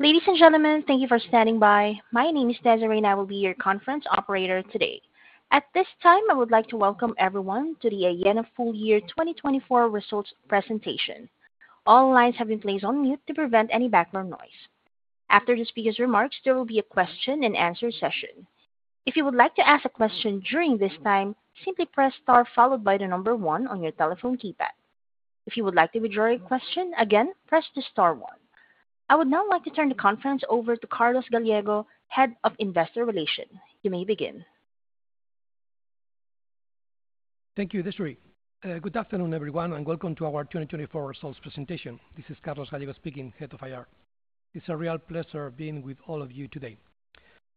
Ladies and gentlemen, thank you for standing by. My name is Desiree, and I will be your conference operator today. At this time, I would like to welcome everyone to the Aena Full Year 2024 Results Presentation. All lines have been placed on mute to prevent any background noise. After the speaker's remarks, there will be a question and answer session. If you would like to ask a question during this time, simply press star followed by the number one on your telephone keypad. If you would like to withdraw your question again, press the star one. I would now like to turn the conference over to Carlos Gallego, Head of Investor Relations. You may begin. Thank you, Desiree. Good afternoon, everyone, and welcome to our 2024 results presentation. This is Carlos Gallego speaking, Head of IR. It's a real pleasure being with all of you today.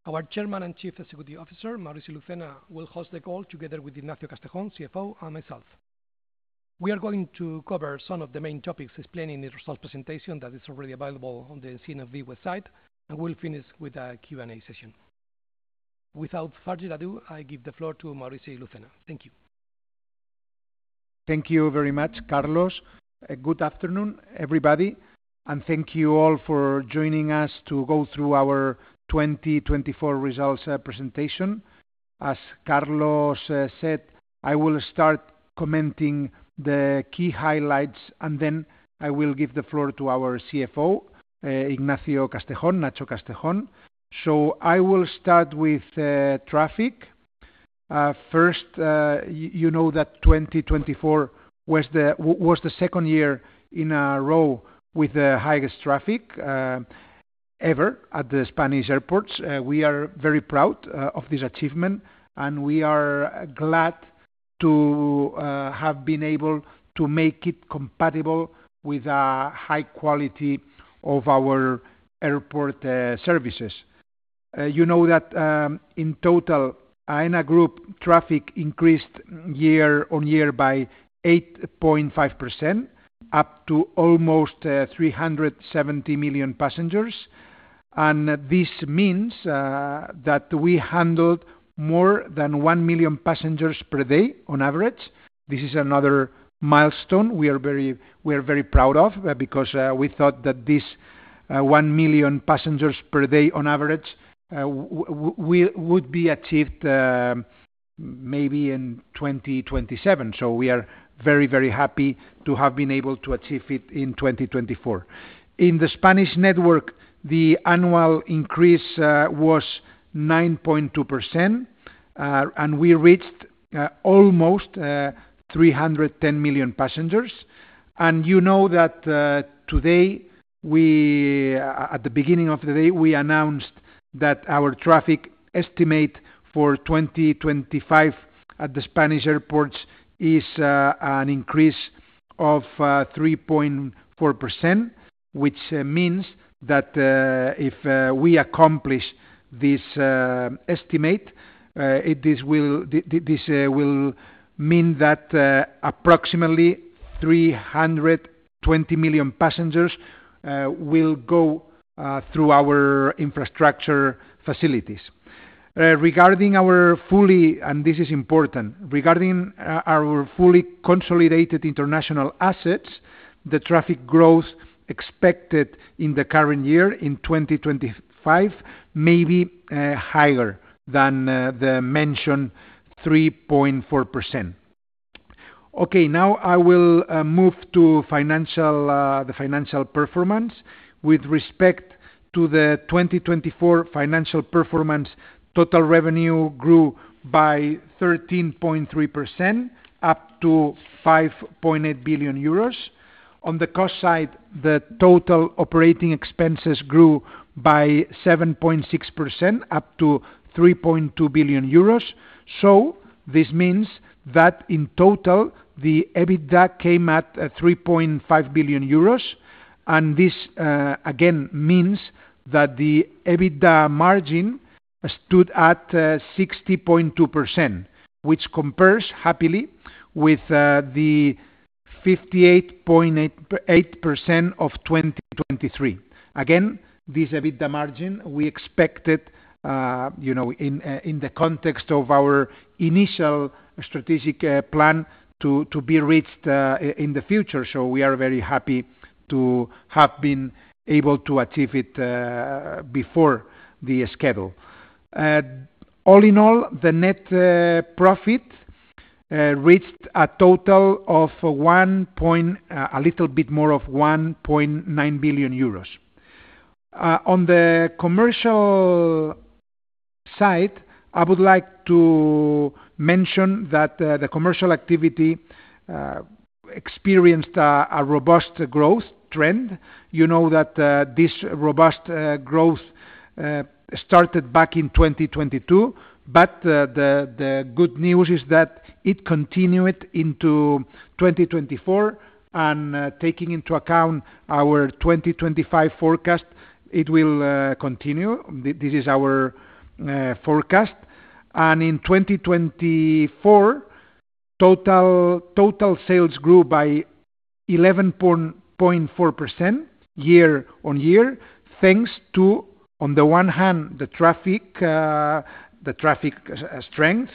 Our Chairman and Chief Executive Officer, Mauricio Lucena, will host the call together with Ignacio Castejón, CFO, and myself. We are going to cover some of the main topics explaining the results presentation that is already available on the CNMV website, and we'll finish with a Q&A session. Without further ado, I give the floor to Mauricio Lucena. Thank you. Thank you very much, Carlos. Good afternoon, everybody, and thank you all for joining us to go through our 2024 results presentation. As Carlos said, I will start commenting the key highlights, and then I will give the floor to our CFO, Ignacio Castejón, Nacho Castejón. So I will start with traffic. First, you know that 2024 was the second year in a row with the highest traffic ever at the Spanish airports. We are very proud of this achievement, and we are glad to have been able to make it compatible with the high quality of our airport services. You know that in total, Aena Group traffic increased year on year by 8.5%, up to almost 370 million passengers. And this means that we handled more than 1 million passengers per day on average. This is another milestone we are very proud of because we thought that this one million passengers per day on average would be achieved maybe in 2027. So we are very, very happy to have been able to achieve it in 2024. In the Spanish network, the annual increase was 9.2%, and we reached almost 310 million passengers, and you know that today, at the beginning of the day, we announced that our traffic estimate for 2025 at the Spanish airports is an increase of 3.4%, which means that if we accomplish this estimate, this will mean that approximately 320 million passengers will go through our infrastructure facilities. And this is important, regarding our fully consolidated international assets, the traffic growth expected in the current year in 2025 may be higher than the mentioned 3.4%. Okay, now I will move to the financial performance. With respect to the 2024 financial performance, total revenue grew by 13.3%, up to 5.8 billion euros. On the cost side, the total operating expenses grew by 7.6%, up to 3.2 billion euros. So this means that in total, the EBITDA came at 3.5 billion euros. And this, again, means that the EBITDA margin stood at 60.2%, which compares happily with the 58.8% of 2023. Again, this EBITDA margin we expected, you know, in the context of our initial strategic plan to be reached in the future. So we are very happy to have been able to achieve it before the schedule. All in all, the net profit reached a total of a little bit more of 1.9 billion euros. On the commercial side, I would like to mention that the commercial activity experienced a robust growth trend. You know that this robust growth started back in 2022, but the good news is that it continued into 2024, and taking into account our 2025 forecast, it will continue. This is our forecast, and in 2024, total sales grew by 11.4% year on year, thanks to, on the one hand, the traffic strength,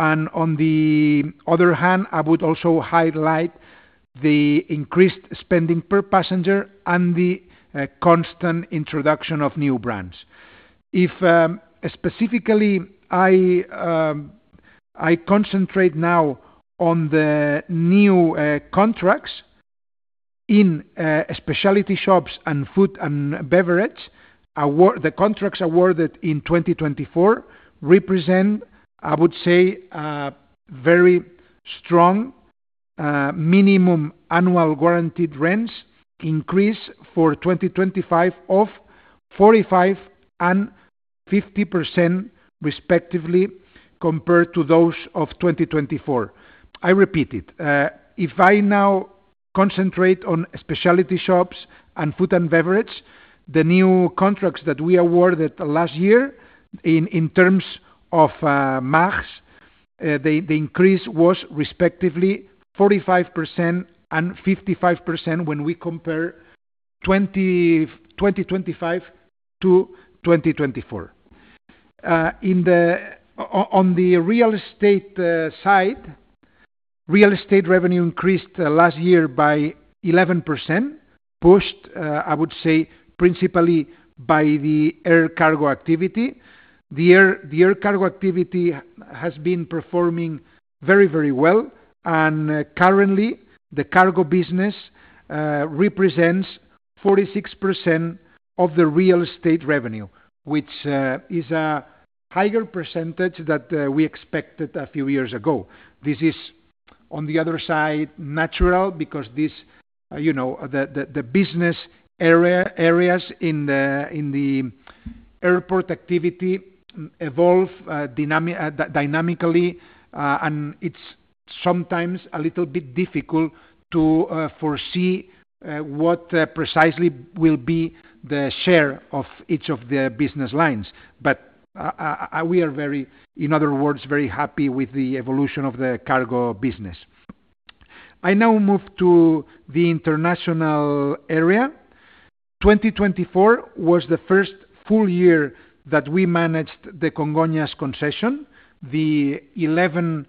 and on the other hand, I would also highlight the increased spending per passenger and the constant introduction of new brands. If specifically I concentrate now on the new contracts in specialty shops and food and beverage, the contracts awarded in 2024 represent, I would say, a very strong minimum annual guaranteed rents increase for 2025 of 45% and 50% respectively compared to those of 2024. I repeat it. If I now concentrate on specialty shops and food and beverage, the new contracts that we awarded last year in terms of MAGs, the increase was respectively 45% and 55% when we compare 2025 to 2024. On the real estate side, real estate revenue increased last year by 11%, pushed, I would say, principally by the air cargo activity. The air cargo activity has been performing very, very well. And currently, the cargo business represents 46% of the real estate revenue, which is a higher percentage than we expected a few years ago. This is, on the other side, natural because the business areas in the airport activity evolve dynamically, and it's sometimes a little bit difficult to foresee what precisely will be the share of each of the business lines. But we are very, in other words, very happy with the evolution of the cargo business. I now move to the international area. 2024 was the first full year that we managed the Congonhas concession, the 11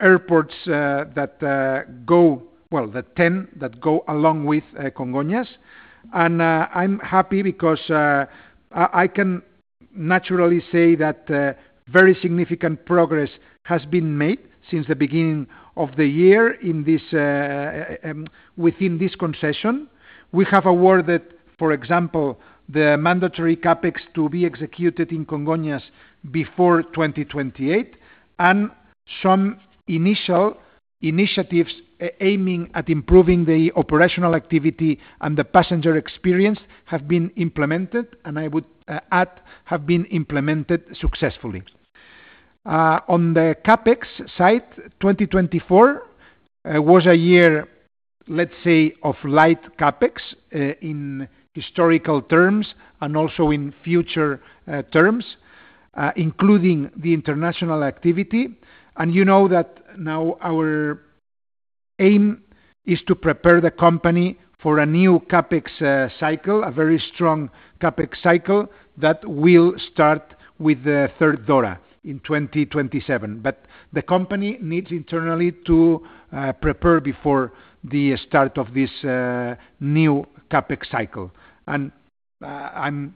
airports that go, well, the 10 that go along with Congonhas, and I'm happy because I can naturally say that very significant progress has been made since the beginning of the year within this concession. We have awarded, for example, the mandatory CAPEX to be executed in Congonhas before 2028, and some initial initiatives aiming at improving the operational activity and the passenger experience have been implemented, and I would add have been implemented successfully. On the CAPEX side, 2024 was a year, let's say, of light CAPEX in historical terms and also in future terms, including the international activity. You know that now our aim is to prepare the company for a new CAPEX cycle, a very strong CAPEX cycle that will start with the third DORA in 2027. The company needs internally to prepare before the start of this new CAPEX cycle. I'm,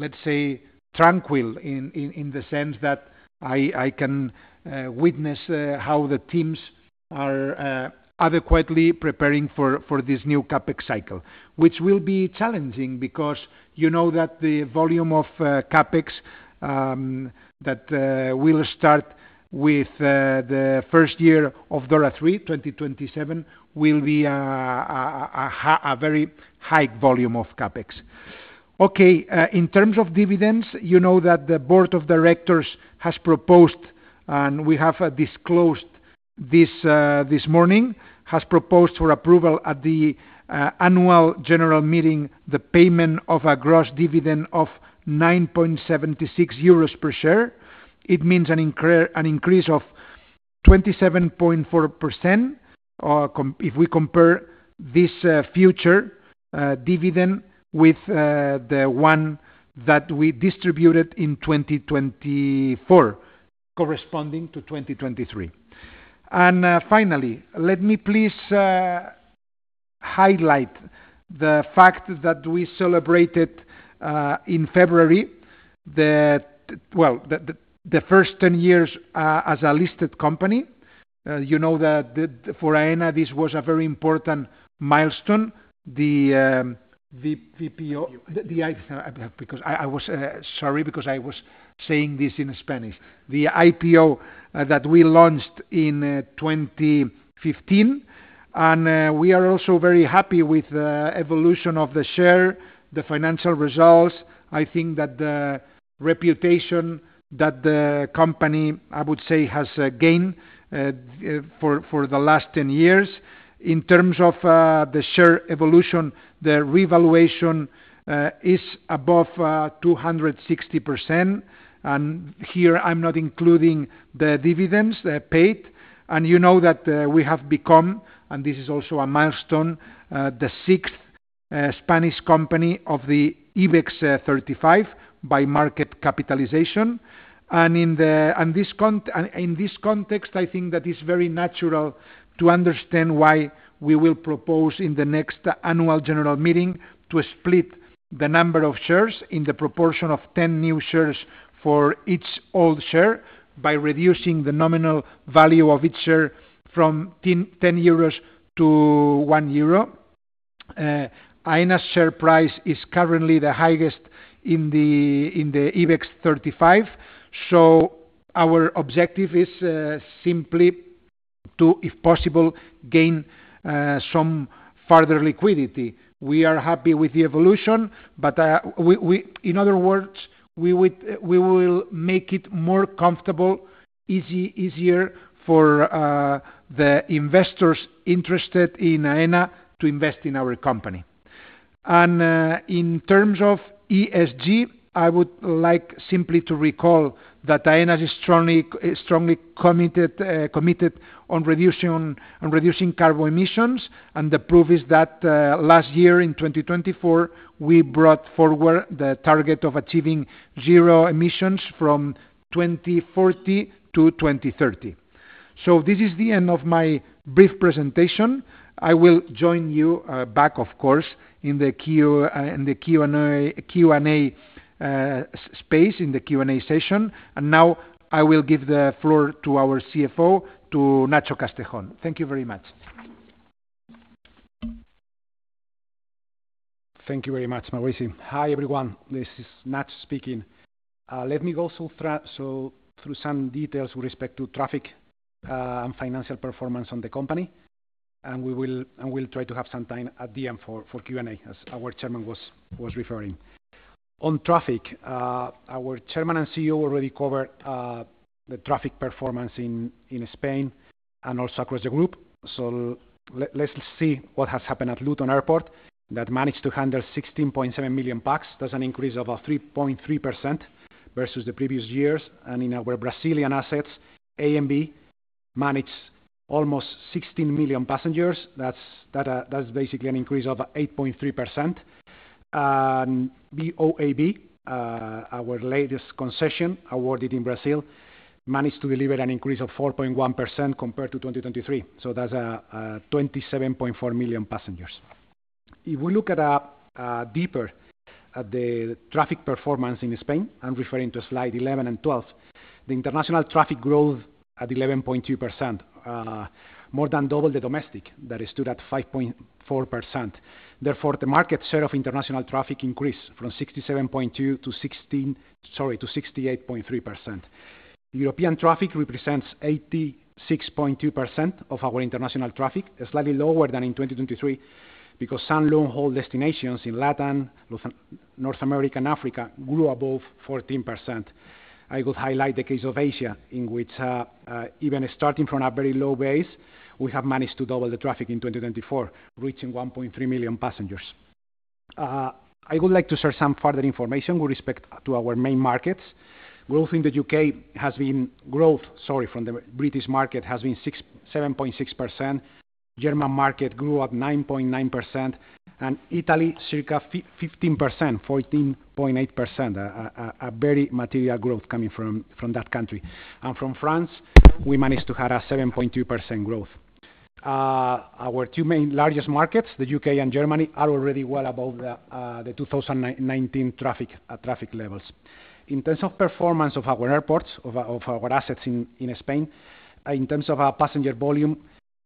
let's say, tranquil in the sense that I can witness how the teams are adequately preparing for this new CAPEX cycle, which will be challenging because you know that the volume of CAPEX that will start with the first year of DORA 3, 2027, will be a very high volume of CAPEX. Okay, in terms of dividends, you know that the Board of Directors has proposed, and we have disclosed this morning, for approval at the annual general meeting the payment of a gross dividend of 9.76 euros per share. It means an increase of 27.4% if we compare this future dividend with the one that we distributed in 2024 corresponding to 2023. And finally, let me please highlight the fact that we celebrated in February the, well, the first 10 years as a listed company. You know that for Aena, this was a very important milestone. The IPO, because I was sorry because I was saying this in Spanish, the IPO that we launched in 2015. And we are also very happy with the evolution of the share, the financial results. I think that the reputation that the company, I would say, has gained for the last 10 years. In terms of the share evolution, the revaluation is above 260%. And here I'm not including the dividends paid. You know that we have become, and this is also a milestone, the sixth Spanish company of the IBEX 35 by market capitalization. In this context, I think that it's very natural to understand why we will propose in the next annual general meeting to split the number of shares in the proportion of 10 new shares for each old share by reducing the nominal value of each share from 10 euros to 1 euro. Aena's share price is currently the highest in the IBEX 35. Our objective is simply to, if possible, gain some further liquidity. We are happy with the evolution, but in other words, we will make it more comfortable, easier for the investors interested in Aena to invest in our company. In terms of ESG, I would like simply to recall that Aena is strongly committed on reducing carbon emissions. The proof is that last year in 2024, we brought forward the target of achieving zero emissions from 2040 to 2030. This is the end of my brief presentation. I will join you back, of course, in the Q&A space, in the Q&A session. Now I will give the floor to our CFO, to Nacho Castejón. Thank you very much. Thank you very much, Maurici. Hi everyone, this is Nacho speaking. Let me go through some details with respect to traffic and financial performance on the company, and we will try to have some time at the end for Q&A, as our Chairman was referring. On traffic, our Chairman and CEO already covered the traffic performance in Spain and also across the group, so let's see what has happened at Luton Airport. That managed to handle 16.7 million pax, that's an increase of 3.3% versus the previous years. In our Brazilian assets, ANB managed almost 16 million passengers. That's basically an increase of 8.3%, and BOAB, our latest concession awarded in Brazil, managed to deliver an increase of 4.1% compared to 2023, so that's 27.4 million passengers. If we look a bit deeper at the traffic performance in Spain, I'm referring to slide 11 and 12, the international traffic growth at 11.2%, more than double the domestic that stood at 5.4%. Therefore, the market share of international traffic increased from 67.2% to 68.3%. European traffic represents 86.2% of our international traffic, slightly lower than in 2023 because sun and long-haul destinations in Latin America, North America, and Africa grew above 14%. I would highlight the case of Asia, in which even starting from a very low base, we have managed to double the traffic in 2024, reaching 1.3 million passengers. I would like to share some further information with respect to our main markets. Growth in the UK from the British market has been 7.6%. German market grew at 9.9%. Italy, circa 15%, 14.8%, a very material growth coming from that country. And from France, we managed to have a 7.2% growth. Our two main largest markets, the U.K. and Germany, are already well above the 2019 traffic levels. In terms of performance of our airports, of our assets in Spain, in terms of passenger volume,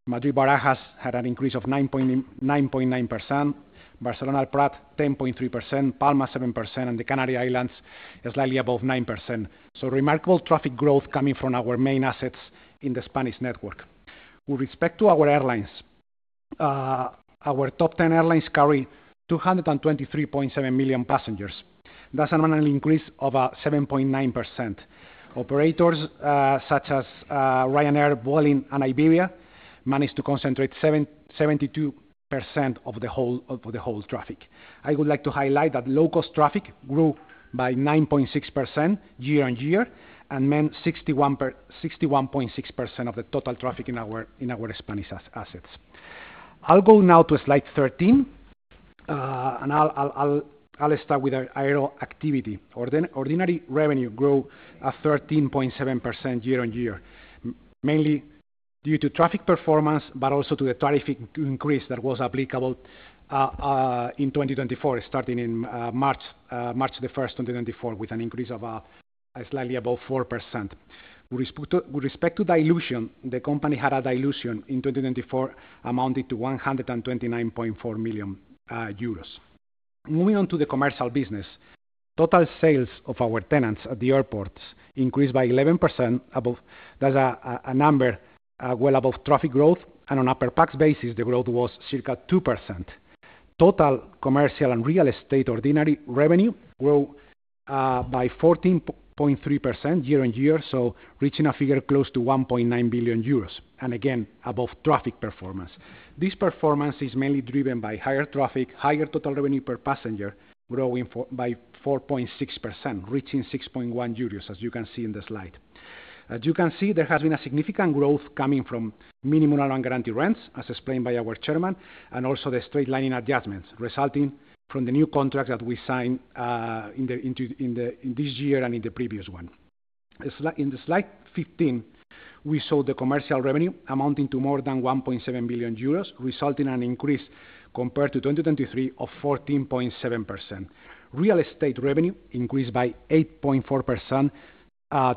Madrid-Barajas had an increase of 9.9%, Barcelona-El Prat 10.3%, Palma 7%, and the Canary Islands slightly above 9%. So remarkable traffic growth coming from our main assets in the Spanish network. With respect to our airlines, our top 10 airlines carry 223.7 million passengers. That's an increase of 7.9%. Operators such as Ryanair, Vueling, and Iberia managed to concentrate 72% of the whole traffic. I would like to highlight that low-cost traffic grew by 9.6% year on year and meant 61.6% of the total traffic in our Spanish assets. I'll go now to slide 13. And I'll start with aero activity. Ordinary revenue grew at 13.7% year on year, mainly due to traffic performance, but also to the traffic increase that was applicable in 2024, starting in March the 1st, 2024, with an increase of slightly above 4%. With respect to dilution, the company had a dilution in 2024 amounted to 129.4 million euros. Moving on to the commercial business, total sales of our tenants at the airports increased by 11%. That's a number well above traffic growth. And on a per-pax basis, the growth was circa 2%. Total commercial and real estate ordinary revenue grew by 14.3% year on year, so reaching a figure close to 1.9 billion euros. And again, above traffic performance. This performance is mainly driven by higher traffic, higher total revenue per passenger growing by 4.6%, reaching 6.1 euros, as you can see in the slide. As you can see, there has been a significant growth coming from minimum and guaranteed rents, as explained by our Chairman, and also the straight lining adjustments resulting from the new contracts that we signed in this year and in the previous one. In slide 15, we saw the commercial revenue amounting to more than 1.7 billion euros, resulting in an increase compared to 2023 of 14.7%. Real estate revenue increased by 8.4%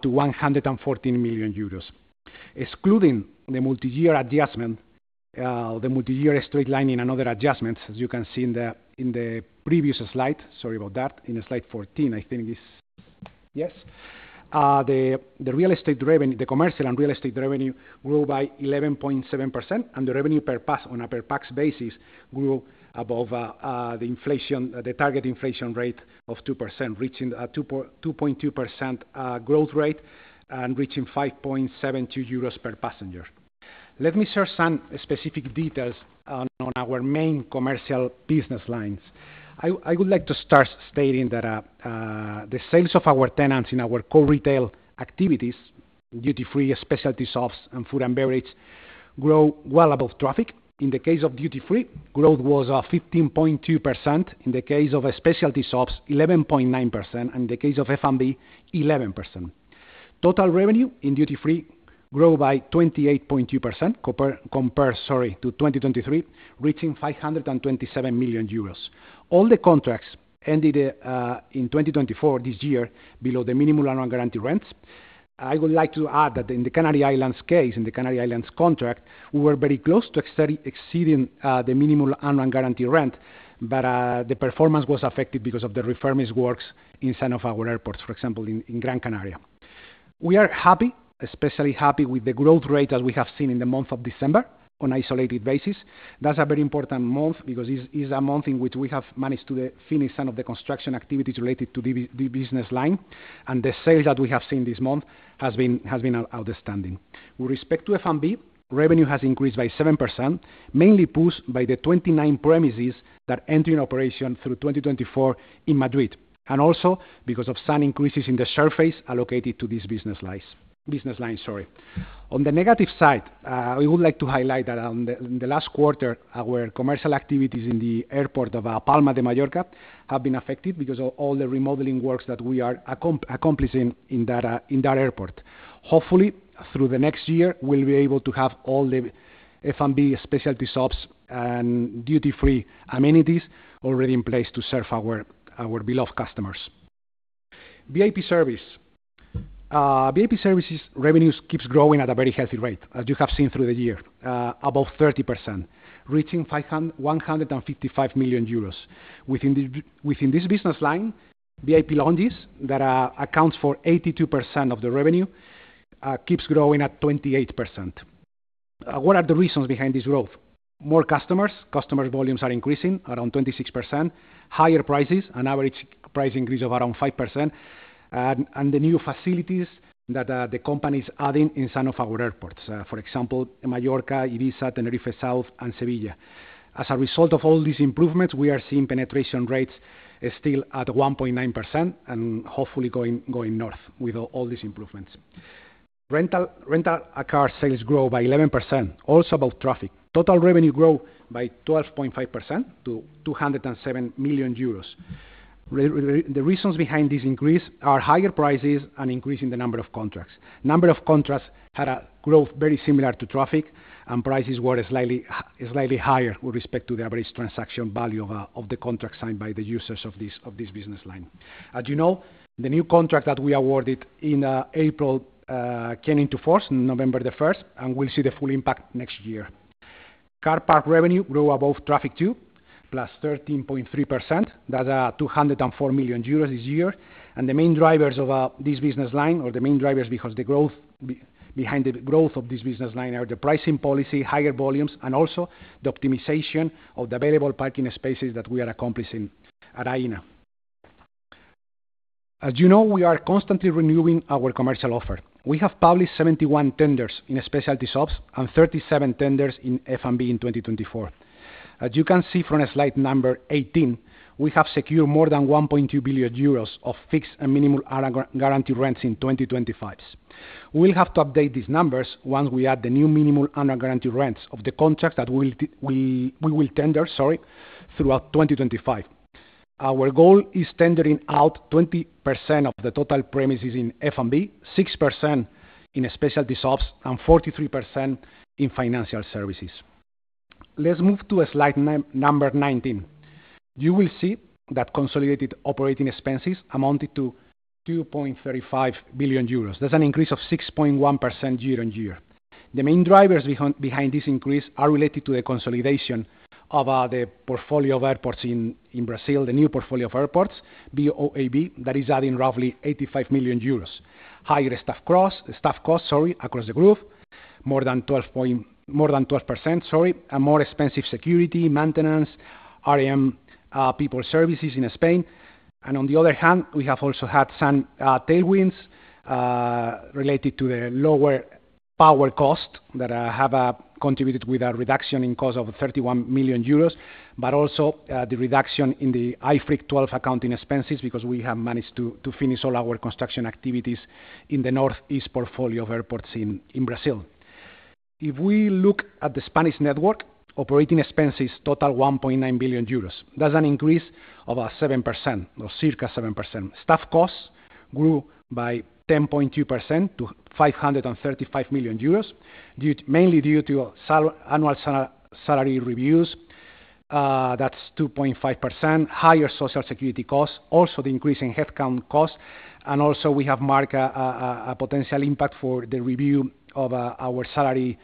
to 114 million euros. Excluding the multi-year adjustment, the multi-year straight lining and other adjustments, as you can see in the previous slide, sorry about that, in slide 14, I think it is, yes. The commercial and real estate revenue grew by 11.7%, and the revenue per pax on a per-pax basis grew above the target inflation rate of 2%, reaching a 2.2% growth rate and reaching 5.72 euros per passenger. Let me share some specific details on our main commercial business lines. I would like to start stating that the sales of our tenants in our co-retail activities, duty-free specialty shops and food and beverage, grew well above traffic. In the case of duty-free, growth was 15.2%. In the case of specialty shops, 11.9%. And in the case of F&B, 11%. Total revenue in duty-free grew by 28.2% compared to 2023, reaching 527 million euros. All the contracts ended in 2024, this year, below the minimum and guaranteed rents. I would like to add that in the Canary Islands case, in the Canary Islands contract, we were very close to exceeding the minimum and guaranteed rent, but the performance was affected because of the refurbished works inside of our airports, for example, in Gran Canaria. We are happy, especially happy with the growth rate as we have seen in the month of December on an isolated basis. That's a very important month because it's a month in which we have managed to finish some of the construction activities related to the business line. And the sales that we have seen this month have been outstanding. With respect to F&B, revenue has increased by 7%, mainly pushed by the 29 premises that entered operation through 2024 in Madrid. And also because of some increases in the surface allocated to these business lines. Business lines, sorry. On the negative side, I would like to highlight that in the last quarter, our commercial activities in the airport of Palma de Mallorca have been affected because of all the remodeling works that we are accomplishing in that airport. Hopefully, through the next year, we'll be able to have all the F&B specialty shops and duty-free amenities already in place to serve our beloved customers. VIP Service. VIP Service revenues keep growing at a very healthy rate, as you have seen through the year, above 30%, reaching 155 million euros. Within this business line, VIP Lounges, that accounts for 82% of the revenue, keeps growing at 28%. What are the reasons behind this growth? More customers, customer volumes are increasing around 26%, higher prices, an average price increase of around 5%, and the new facilities that the company is adding inside of our airports, for example, Mallorca, Ibiza, Tenerife South, and Sevilla. As a result of all these improvements, we are seeing penetration rates still at 1.9% and hopefully going north with all these improvements. Rental car sales grow by 11%, also about traffic. Total revenue grew by 12.5% to 207 million euros. The reasons behind this increase are higher prices and increasing the number of contracts. Number of contracts had a growth very similar to traffic, and prices were slightly higher with respect to the average transaction value of the contract signed by the users of this business line. As you know, the new contract that we awarded in April came into force on November the 1st, and we'll see the full impact next year. Car park revenue grew above traffic too, plus 13.3%. That's 204 million euros this year, and the main drivers of this business line, or the main drivers behind the growth of this business line, are the pricing policy, higher volumes, and also the optimization of the available parking spaces that we are accomplishing at Aena. As you know, we are constantly renewing our commercial offer. We have published 71 tenders in specialty shops and 37 tenders in F&B in 2024. As you can see from slide number 18, we have secured more than 1.2 billion euros of fixed and minimum and guaranteed rents in 2025. We'll have to update these numbers once we add the new minimum and guaranteed rents of the contracts that we will tender, sorry, throughout 2025. Our goal is tendering out 20% of the total premises in F&B, 6% in specialty shops, and 43% in financial services. Let's move to slide number 19. You will see that consolidated operating expenses amounted to 2.35 billion euros. That's an increase of 6.1% year on year. The main drivers behind this increase are related to the consolidation of the portfolio of airports in Brazil, the new portfolio of airports, BOAB, that is adding roughly 85 million euros. Higher staff costs, sorry, across the group, more than 12%, sorry, and more expensive security, maintenance, PRM, people services in Spain. On the other hand, we have also had some tailwinds related to the lower power cost that have contributed with a reduction in cost of 31 million euros, but also the reduction in the IFRIC 12 accounting expenses because we have managed to finish all our construction activities in the northeast portfolio of airports in Brazil. If we look at the Spanish network, operating expenses total 1.9 billion euros. That's an increase of 7%, or circa 7%. Staff costs grew by 10.2% to 535 million euros, mainly due to annual salary reviews. That's 2.5%. Higher social security costs, also the increase in headcount costs. And also, we have marked a potential impact for the review of our salary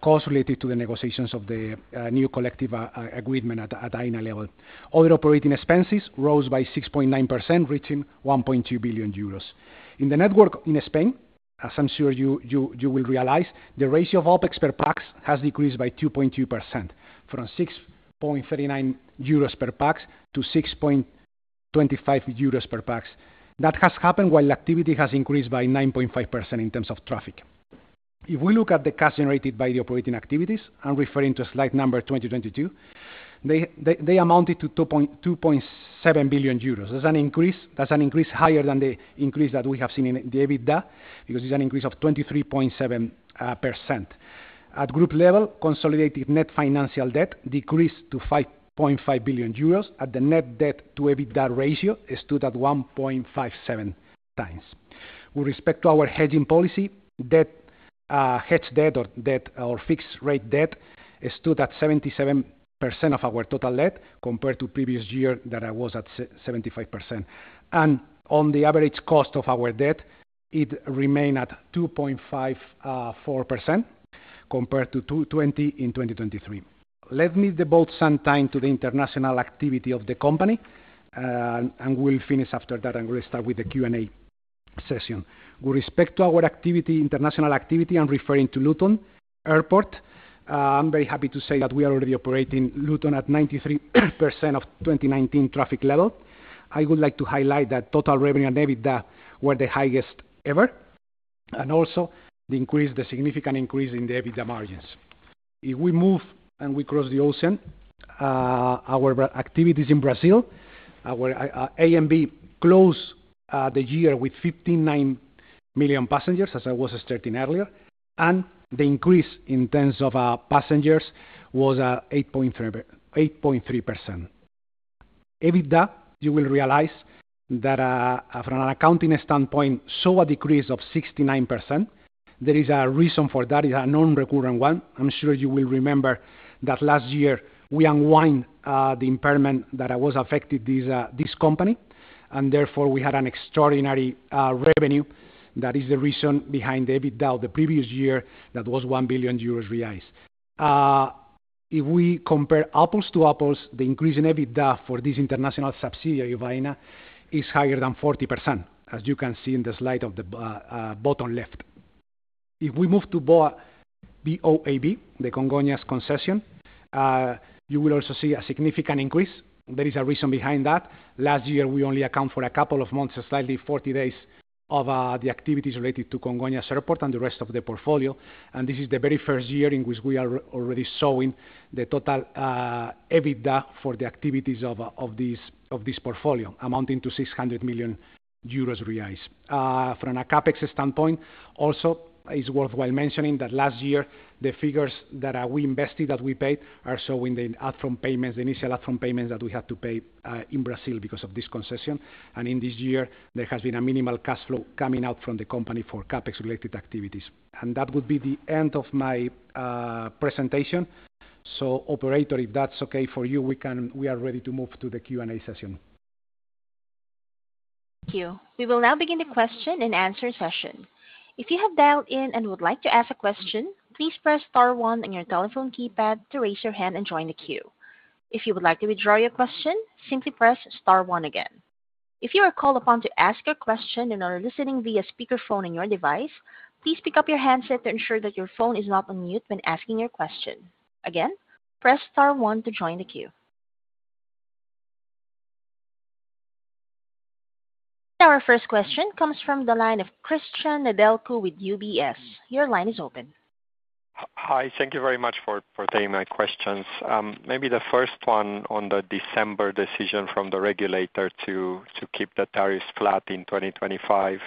costs related to the negotiations of the new collective agreement at Aena level. Other operating expenses rose by 6.9%, reaching 1.2 billion euros. In the network in Spain, as I'm sure you will realize, the ratio of OPEX per pack has decreased by 2.2%, from 6.39 euros per pack to 6.25 euros per pack. That has happened while activity has increased by 9.5% in terms of traffic. If we look at the cash generated by the operating activities, I'm referring to slide number 2022, they amounted to 2.7 billion euros. That's an increase higher than the increase that we have seen in the EBITDA because it's an increase of 23.7%. At group level, consolidated net financial debt decreased to 5.5 billion euros. At the net debt to EBITDA ratio, it stood at 1.57 times. With respect to our hedging policy, debt, hedge debt, or fixed rate debt, it stood at 77% of our total debt compared to previous year that I was at 75%, and on the average cost of our debt, it remained at 2.54% compared to 2.0% in 2023. Let me devote some time to the international activity of the company, and we'll finish after that and we'll start with the Q&A session. With respect to our international activity, I'm referring to Luton Airport. I'm very happy to say that we are already operating Luton at 93% of 2019 traffic level. I would like to highlight that total revenue and EBITDA were the highest ever, and also the increase, the significant increase in the EBITDA margins. If we move and we cross the ocean, our activities in Brazil, our ANB closed the year with 59 million passengers, as I was stating earlier, and the increase in terms of passengers was 8.3%. EBITDA, you will realize that from an accounting standpoint, saw a decrease of 69%. There is a reason for that. It's a non-recurrent one. I'm sure you will remember that last year we unwind the impairment that was affected this company, and therefore we had an extraordinary revenue that is the reason behind the EBITDA of the previous year that was 1 billion euros realized. If we compare apples to apples, the increase in EBITDA for this international subsidiary of Aena is higher than 40%, as you can see in the slide of the bottom left. If we move to BOAB, the Congonhas concession, you will also see a significant increase. There is a reason behind that. Last year, we only account for a couple of months, slightly 40 days of the activities related to Congonhas Airport and the rest of the portfolio. And this is the very first year in which we are already showing the total EBITDA for the activities of this portfolio amounting to EUR 600 million realized. From a CAPEX standpoint, also, it's worthwhile mentioning that last year, the figures that we invested, that we paid, are showing the upfront payments, the initial upfront payments that we had to pay in Brazil because of this concession. And in this year, there has been a minimal cash flow coming out from the company for CAPEX-related activities. And that would be the end of my presentation. So, operator, if that's okay for you, we are ready to move to the Q&A session. Thank you. We will now begin the question and answer session. If you have dialed in and would like to ask a question, please press star one on your telephone keypad to raise your hand and join the queue. If you would like to withdraw your question, simply press star one again. If you are called upon to ask a question and are listening via speakerphone on your device, please pick up your handset to ensure that your phone is not on mute when asking your question. Again, press star one to join the queue. Our first question comes from the line of Cristian Nedelcu with UBS. Your line is open. Hi, thank you very much for taking my questions. Maybe the first one on the December decision from the regulator to keep the tariffs flat in 2025.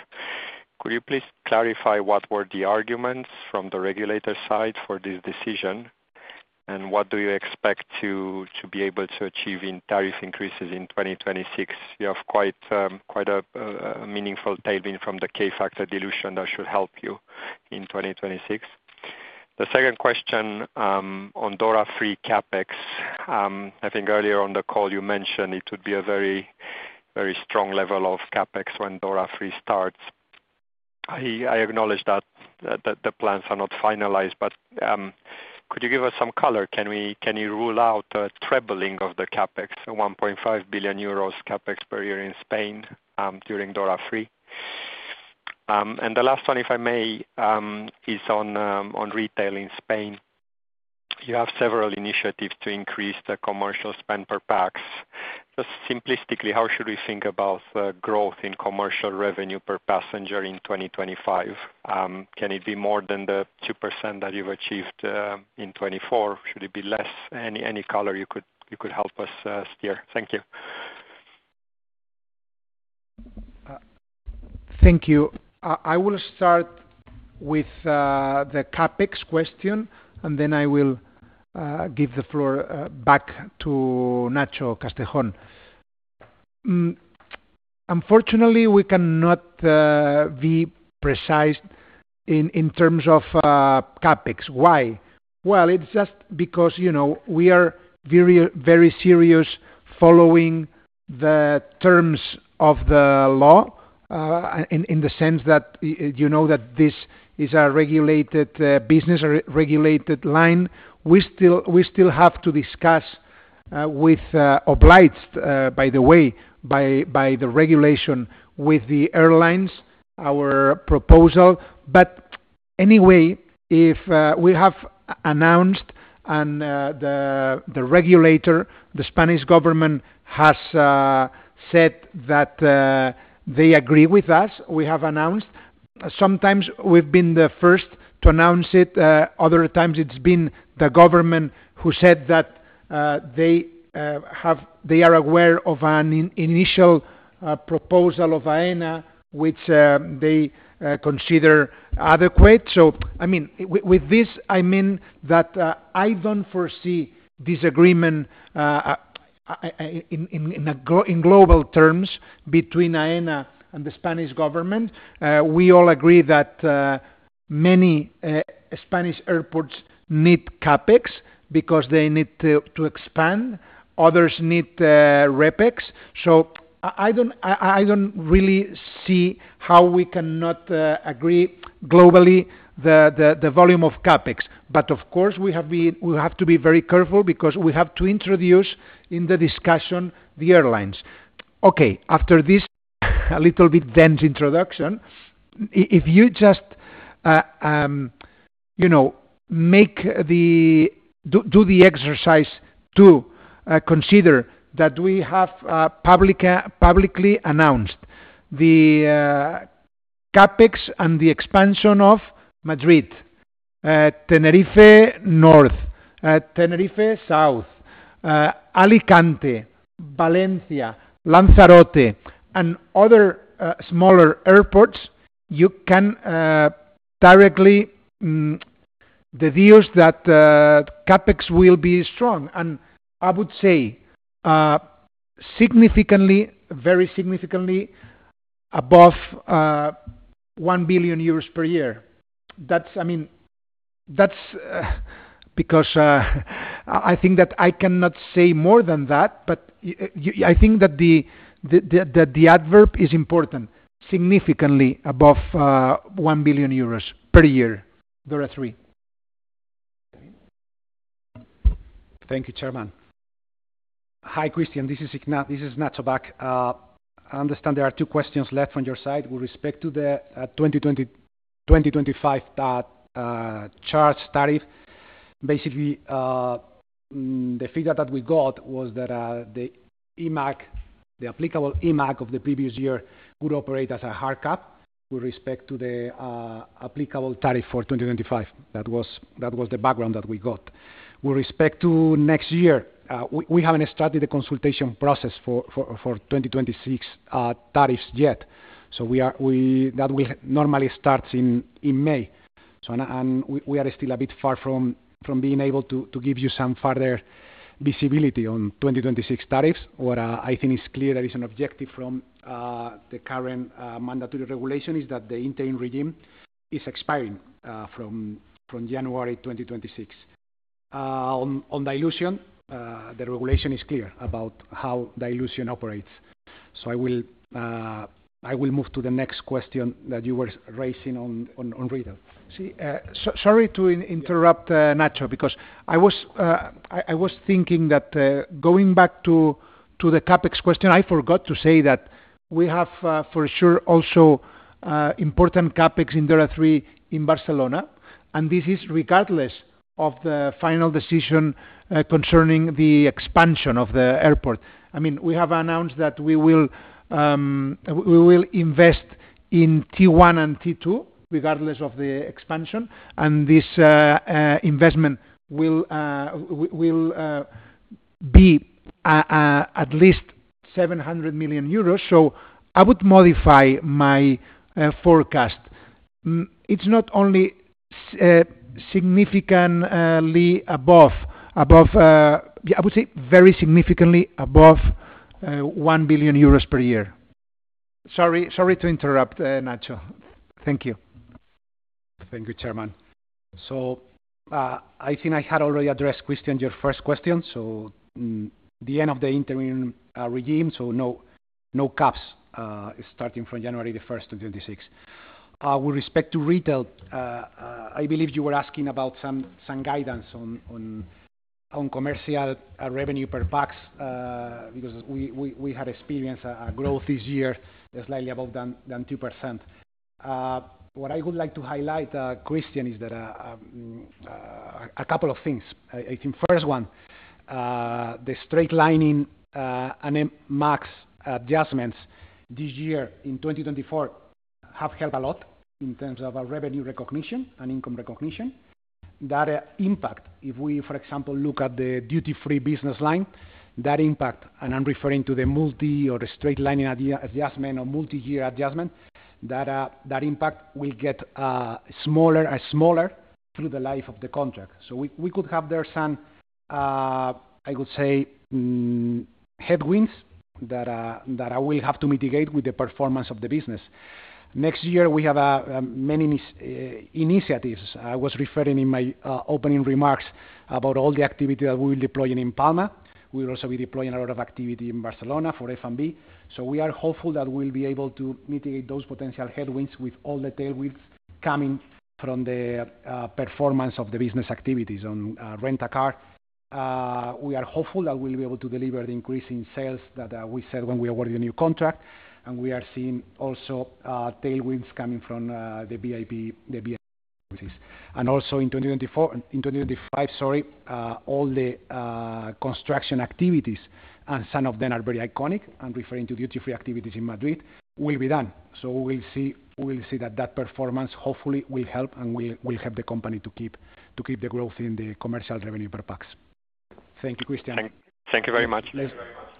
Could you please clarify what were the arguments from the regulator's side for this decision? And what do you expect to be able to achieve in tariff increases in 2026? You have quite a meaningful tailwind from the K Factor dilution that should help you in 2026. The second question on DORA 3 CAPEX, I think earlier on the call, you mentioned it would be a very strong level of CAPEX when DORA 3 starts. I acknowledge that the plans are not finalized, but could you give us some color? Can you rule out a trebling of the CAPEX, 1.5 billion euros CAPEX per year in Spain during DORA 3? And the last one, if I may, is on retail in Spain. You have several initiatives to increase the commercial spend per pax. Just simplistically, how should we think about the growth in commercial revenue per passenger in 2025? Can it be more than the 2% that you've achieved in 2024? Should it be less? Any color you could help us steer? Thank you. Thank you. I will start with the CAPEX question, and then I will give the floor back to Nacho Castejón. Unfortunately, we cannot be precise in terms of CAPEX. Why? Well, it's just because we are very serious following the terms of the law in the sense that this is a regulated business, a regulated line. We still have to discuss, obliged, by the way, by the regulation with the airlines, our proposal. But anyway, if we have announced and the regulator, the Spanish government, has said that they agree with us, we have announced. Sometimes we've been the first to announce it. Other times, it's been the government who said that they are aware of an initial proposal of Aena, which they consider adequate. So, I mean, with this, I mean that I don't foresee this agreement in global terms between Aena and the Spanish government. We all agree that many Spanish airports need CAPEX because they need to expand. Others need REPEX. So I don't really see how we cannot agree globally the volume of CAPEX. But of course, we have to be very careful because we have to introduce in the discussion the airlines. Okay, after this a little bit dense introduction, if you just do the exercise to consider that we have publicly announced the CAPEX and the expansion of Madrid, Tenerife North, Tenerife South, Alicante, Valencia, Lanzarote, and other smaller airports, you can directly deduce that CAPEX will be strong. I would say significantly, very significantly above 1 billion euros per year. That's, I mean, that's because I think that I cannot say more than that, but I think that the adverb is important, significantly above 1 billion euros per year, DORA 3. Thank you, Chairman. Hi, Cristian. This is Nacho back. I understand there are two questions left on your side. With respect to the 2025 charge tariff, basically, the figure that we got was that the applicable IMAAJ of the previous year would operate as a hard cap with respect to the applicable tariff for 2025. That was the background that we got. With respect to next year, we haven't started the consultation process for 2026 tariffs yet. So that will normally start in May. We are still a bit far from being able to give you some further visibility on 2026 tariffs. What I think is clear is an objective from the current mandatory regulation is that the interim regime is expiring from January 2026. On dilution, the regulation is clear about how dilution operates. So I will move to the next question that you were raising on retail. Sorry to interrupt, Nacho, because I was thinking that going back to the CAPEX question, I forgot to say that we have for sure also important CAPEX in DORA 3 in Barcelona. And this is regardless of the final decision concerning the expansion of the airport. I mean, we have announced that we will invest in T1 and T2 regardless of the expansion. And this investment will be at least 700 million euros. So I would modify my forecast. It's not only significantly above, I would say very significantly above 1 billion euros per year. Sorry to interrupt, Nacho. Thank you. Thank you, Chairman. I think I had already addressed, Cristian, your first question. The end of the interim regime, so no caps starting from January 1st, 2026. With respect to retail, I believe you were asking about some guidance on commercial revenue per pax because we had experienced a growth this year slightly above 2%. What I would like to highlight, Cristian, is that a couple of things. I think first one, the straightlining and MAG adjustments this year in 2024 have helped a lot in terms of revenue recognition and income recognition. That impact, if we, for example, look at the duty-free business line, that impact, and I'm referring to the multi or straightlining adjustment or multi-year adjustment, that impact will get smaller and smaller through the life of the contract. So we could have there some, I would say, headwinds that I will have to mitigate with the performance of the business. Next year, we have many initiatives. I was referring in my opening remarks about all the activity that we will be deploying in Palma. We will also be deploying a lot of activity in Barcelona for F&B. So we are hopeful that we'll be able to mitigate those potential headwinds with all the tailwinds coming from the performance of the business activities on rent-a-car. We are hopeful that we'll be able to deliver the increase in sales that we said when we awarded a new contract. And we are seeing also tailwinds coming from the VIP services. And also in 2025, sorry, all the construction activities, and some of them are very iconic. I'm referring to duty-free activities in Madrid, will be done. So we will see that performance, hopefully, will help the company to keep the growth in the commercial revenue per pax. Thank you, Cristian. Thank you very much.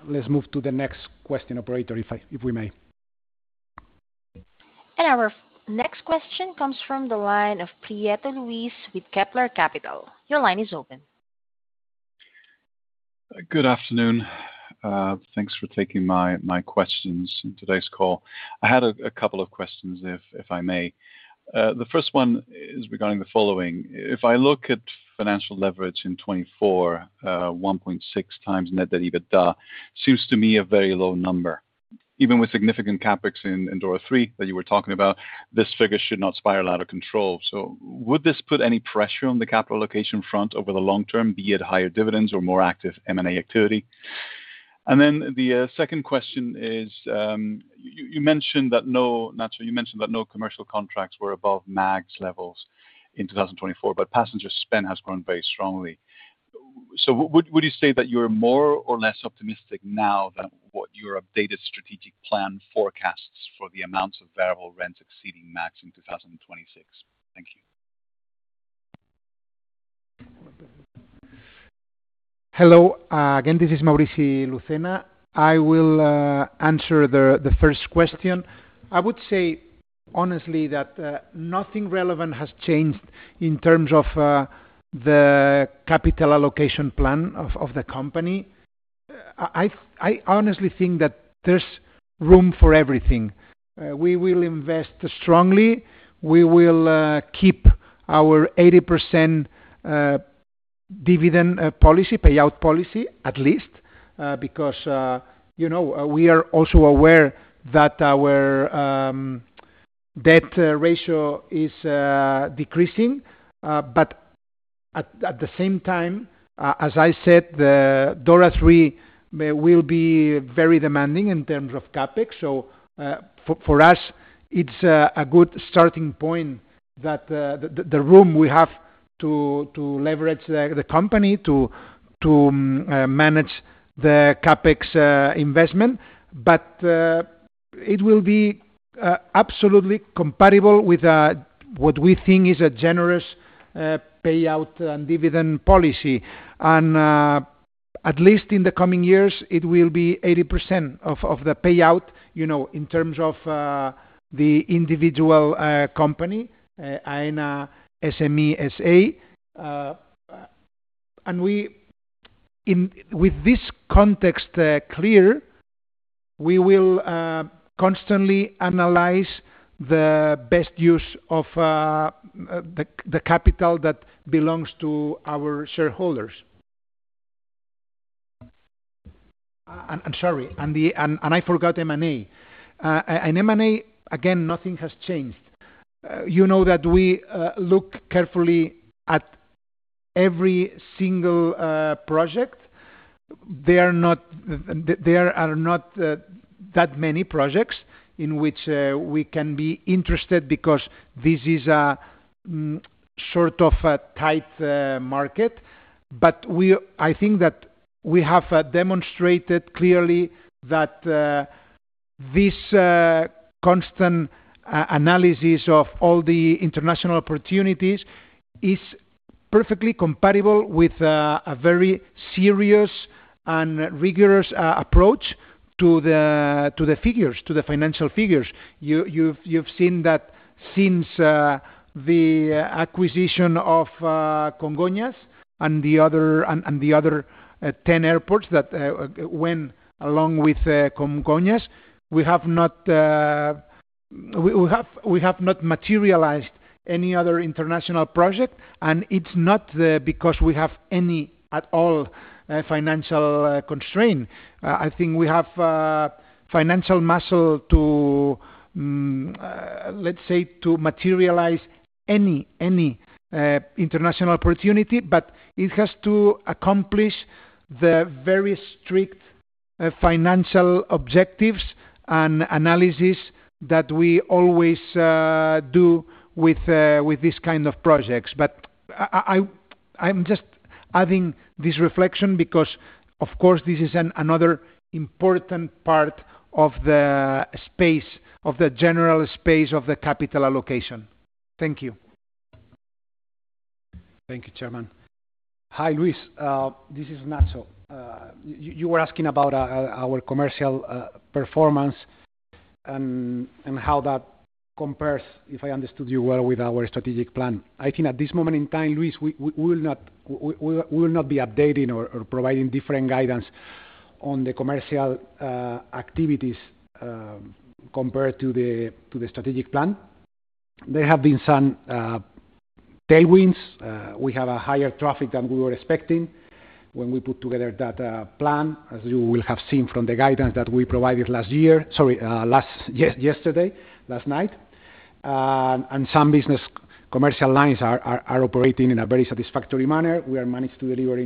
Let's move to the next question, operator, if we may. Our next question comes from the line of Luis Prieto with Kepler Cheuvreux. Your line is open. Good afternoon. Thanks for taking my questions in today's call. I had a couple of questions, if I may. The first one is regarding the following. If I look at financial leverage in 2024, 1.6 times net debt, seems to me a very low number. Even with significant CAPEX in DORA 3 that you were talking about, this figure should not spiral out of control. So would this put any pressure on the capital allocation front over the long term, be it higher dividends or more active M&A activity? And then the second question is, you mentioned that no, Nacho, you mentioned that no commercial contracts were above max levels in 2024, but passenger spend has grown very strongly. So would you say that you're more or less optimistic now than what your updated strategic plan forecasts for the amounts of variable rents exceeding max in 2026? Thank you. Hello. Again, this is Mauricio Lucena. I will answer the first question. I would say, honestly, that nothing relevant has changed in terms of the capital allocation plan of the company. I honestly think that there's room for everything. We will invest strongly. We will keep our 80% dividend policy, payout policy, at least, because we are also aware that our debt ratio is decreasing. But at the same time, as I said, DORA3 will be very demanding in terms of CAPEX. So for us, it's a good starting point, the room we have to leverage the company to manage the CAPEX investment. But it will be absolutely compatible with what we think is a generous payout and dividend policy. And at least in the coming years, it will be 80% of the payout in terms of the individual company, Aena SME S.A. And with this context clear, we will constantly analyze the best use of the capital that belongs to our shareholders. I'm sorry, and I forgot M&A. In M&A, again, nothing has changed. You know that we look carefully at every single project. There are not that many projects in which we can be interested because this is a sort of a tight market. But I think that we have demonstrated clearly that this constant analysis of all the international opportunities is perfectly compatible with a very serious and rigorous approach to the figures, to the financial figures. You've seen that since the acquisition of Congonhas and the other 10 airports that went along with Congonhas, we have not materialized any other international project. And it's not because we have any at all financial constraint. I think we have financial muscle to, let's say, to materialize any international opportunity, but it has to accomplish the very strict financial objectives and analysis that we always do with this kind of projects. But I'm just adding this reflection because, of course, this is another important part of the space, of the general space of the capital allocation. Thank you. Thank you, Chairman. Hi, Luis. This is Nacho, You were asking about our commercial performance and how that compares, if I understood you well, with our strategic plan. I think at this moment in time, Luis, we will not be updating or providing different guidance on the commercial activities compared to the strategic plan. There have been some tailwinds. We have a higher traffic than we were expecting when we put together that plan, as you will have seen from the guidance that we provided last year, sorry, yesterday, last night, and some business commercial lines are operating in a very satisfactory manner. We have managed to deliver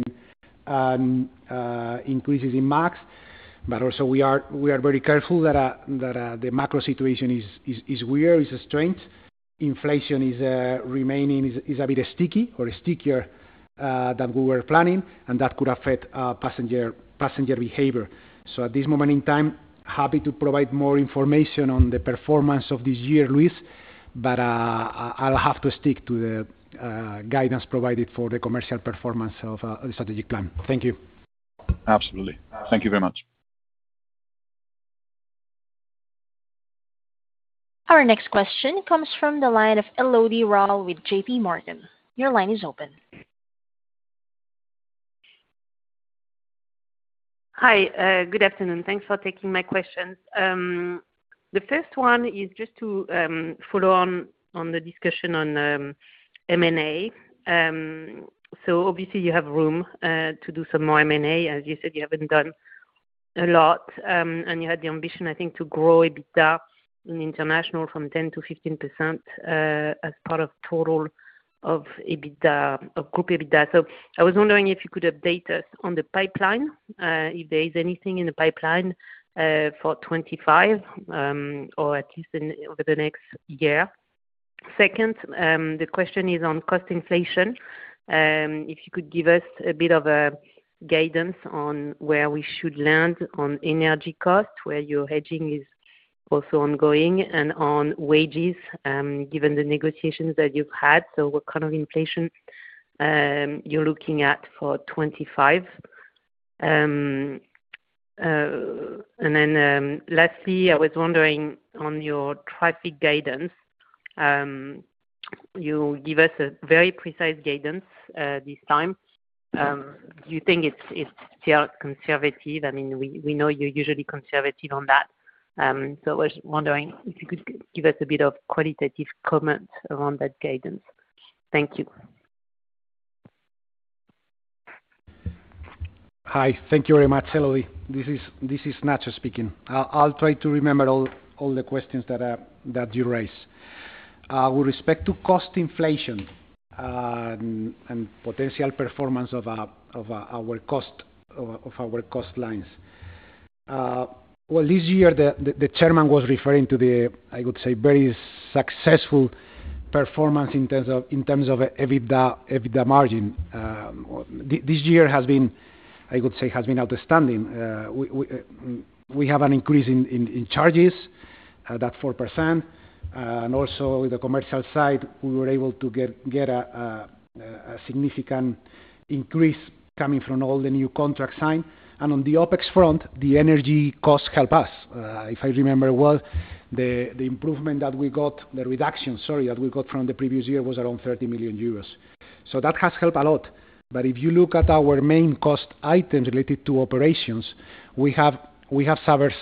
increases in MAG. But also, we are very careful that the macro situation is weird, strange. Inflation is remaining a bit sticky or stickier than we were planning, and that could affect passenger behavior. So at this moment in time, happy to provide more information on the performance of this year, Luis, but I'll have to stick to the guidance provided for the commercial performance of the strategic plan. Thank you. Absolutely. Thank you very much. Our next question comes from the line of Elodie Rall with JPMorgan. Your line is open. Hi. Good afternoon. Thanks for taking my questions. The first one is just to follow on the discussion on M&A. So obviously, you have room to do some more M&A. As you said, you haven't done a lot. And you had the ambition, I think, to grow EBITDA in international from 10%-15% as part of total of EBITDA, of group EBITDA. So I was wondering if you could update us on the pipeline, if there is anything in the pipeline for 2025 or at least over the next year. Second, the question is on cost inflation. If you could give us a bit of guidance on where we should land on energy cost, where your hedging is also ongoing, and on wages, given the negotiations that you've had. So what kind of inflation you're looking at for 2025? And then lastly, I was wondering on your traffic guidance. You give us a very precise guidance this time. Do you think it's still conservative? I mean, we know you're usually conservative on that. So I was wondering if you could give us a bit of qualitative comment around that guidance. Thank you. Hi. Thank you very much, Elodie. This is Nacho speaking. I'll try to remember all the questions that you raised. With respect to cost inflation and potential performance of our cost lines, well, this year, the Chairman was referring to the, I would say, very successful performance in terms of EBITDA margin. This year has been, I would say, has been outstanding. We have an increase in charges, that 4%. And also with the commercial side, we were able to get a significant increase coming from all the new contracts signed. And on the OPEX front, the energy costs help us. If I remember well, the improvement that we got, the reduction, sorry, that we got from the previous year was around 30 million euros. So that has helped a lot. But if you look at our main cost items related to operations, we have suffered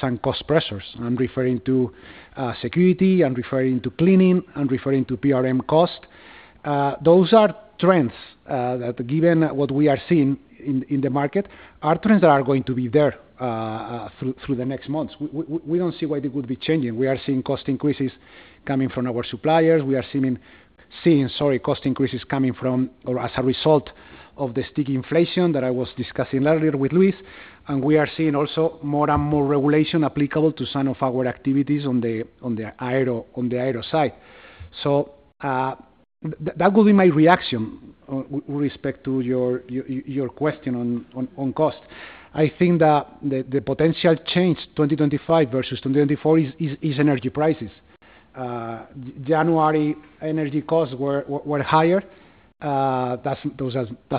some cost pressures. I'm referring to security and referring to cleaning and referring to PRM cost. Those are trends that, given what we are seeing in the market, are trends that are going to be there through the next months. We don't see why they would be changing. We are seeing cost increases coming from our suppliers. We are seeing, sorry, cost increases coming from or as a result of the sticky inflation that I was discussing earlier with Luis, and we are seeing also more and more regulation applicable to some of our activities on the aero side. So that would be my reaction with respect to your question on cost. I think that the potential change 2025 versus 2024 is energy prices. January energy costs were higher. That's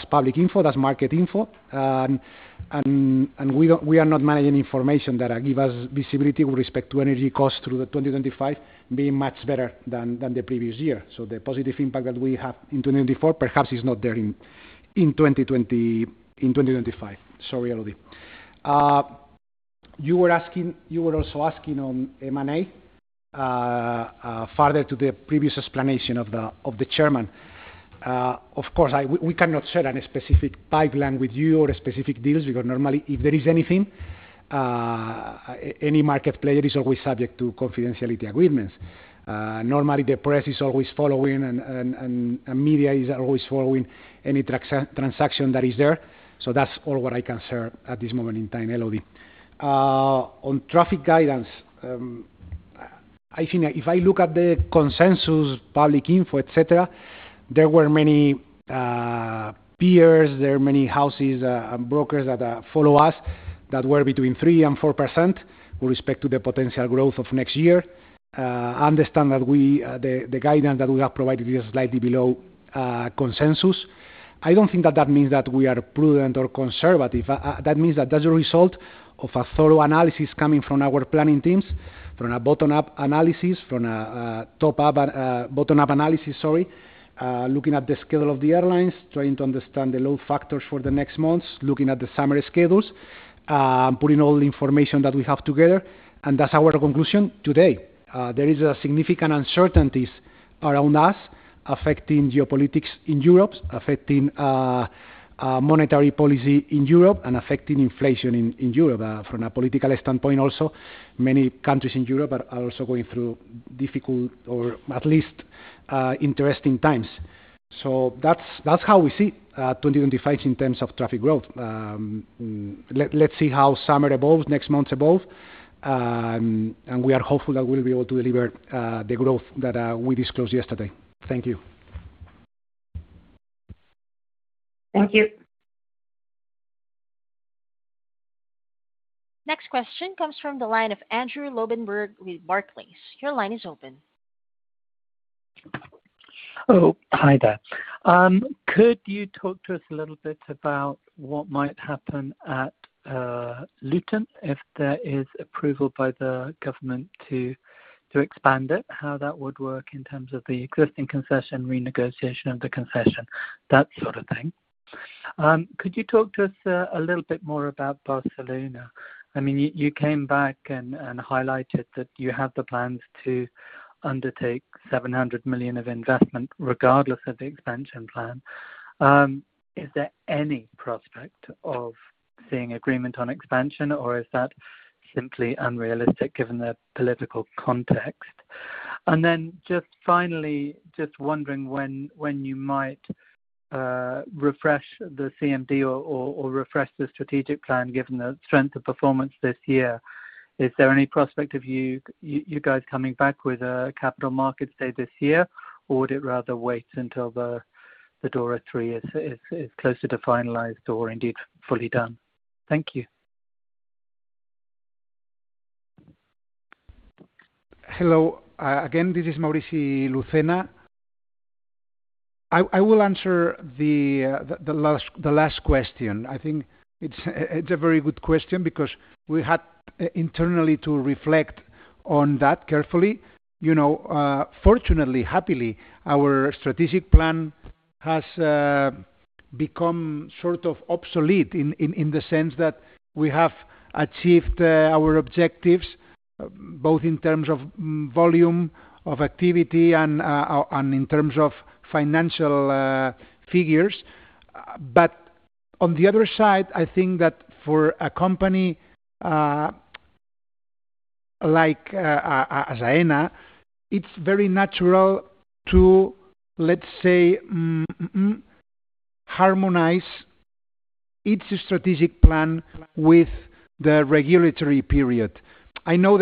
public info, that's market info, and we are not managing information that gives us visibility with respect to energy costs through the 2025 being much better than the previous year. So the positive impact that we have in 2024, perhaps it's not there in 2025. Sorry, Elodie. You were also asking on M&A further to the previous explanation of the Chairman. Of course, we cannot share any specific pipeline with you or specific deals because normally, if there is anything, any market player is always subject to confidentiality agreements. Normally, the press is always following and media is always following any transaction that is there. So that's all what I can share at this moment in time, Elodie. On traffic guidance, I think if I look at the consensus, public info, etc., there were many peers, there are many houses and brokers that follow us that were between 3%-4% with respect to the potential growth of next year. I understand that the guidance that we have provided is slightly below consensus. I don't think that that means that we are prudent or conservative. That means that that's a result of a thorough analysis coming from our planning teams, from a bottom-up analysis, from a top-up bottom-up analysis, sorry, looking at the schedule of the airlines, trying to understand the load factors for the next months, looking at the summer schedules, putting all the information that we have together, and that's our conclusion today. There is a significant uncertainties around us affecting geopolitics in Europe, affecting monetary policy in Europe, and affecting inflation in Europe. From a political standpoint also, many countries in Europe are also going through difficult or at least interesting times, so that's how we see 2025 in terms of traffic growth. Let's see how summer evolves, next months evolve, and we are hopeful that we'll be able to deliver the growth that we disclosed yesterday. Thank you. Thank you. Next question comes from the line of Andrew Lobbenberg with Barclays. Your line is open. Hello. Hi, there. Could you talk to us a little bit about what might happen at Luton if there is approval by the government to expand it, how that would work in terms of the existing concession, renegotiation of the concession, that sort of thing? Could you talk to us a little bit more about Barcelona? I mean, you came back and highlighted that you have the plans to undertake 700 million of investment regardless of the expansion plan. Is there any prospect of seeing agreement on expansion, or is that simply unrealistic given the political context? And then just finally, just wondering when you might refresh the CMD or refresh the strategic plan given the strength of performance this year. Is there any prospect of you guys coming back with a capital markets day this year, or would it rather wait until the DORA III is closer to finalized or indeed fully done? Thank you. Hello. Again, this is Mauricio Lucena. I will answer the last question. I think it's a very good question because we had internally to reflect on that carefully. Fortunately, happily, our strategic plan has become sort of obsolete in the sense that we have achieved our objectives both in terms of volume of activity and in terms of financial figures. But on the other side, I think that for a company like Aena, it's very natural to, let's say, harmonize its strategic plan with the regulatory period. I know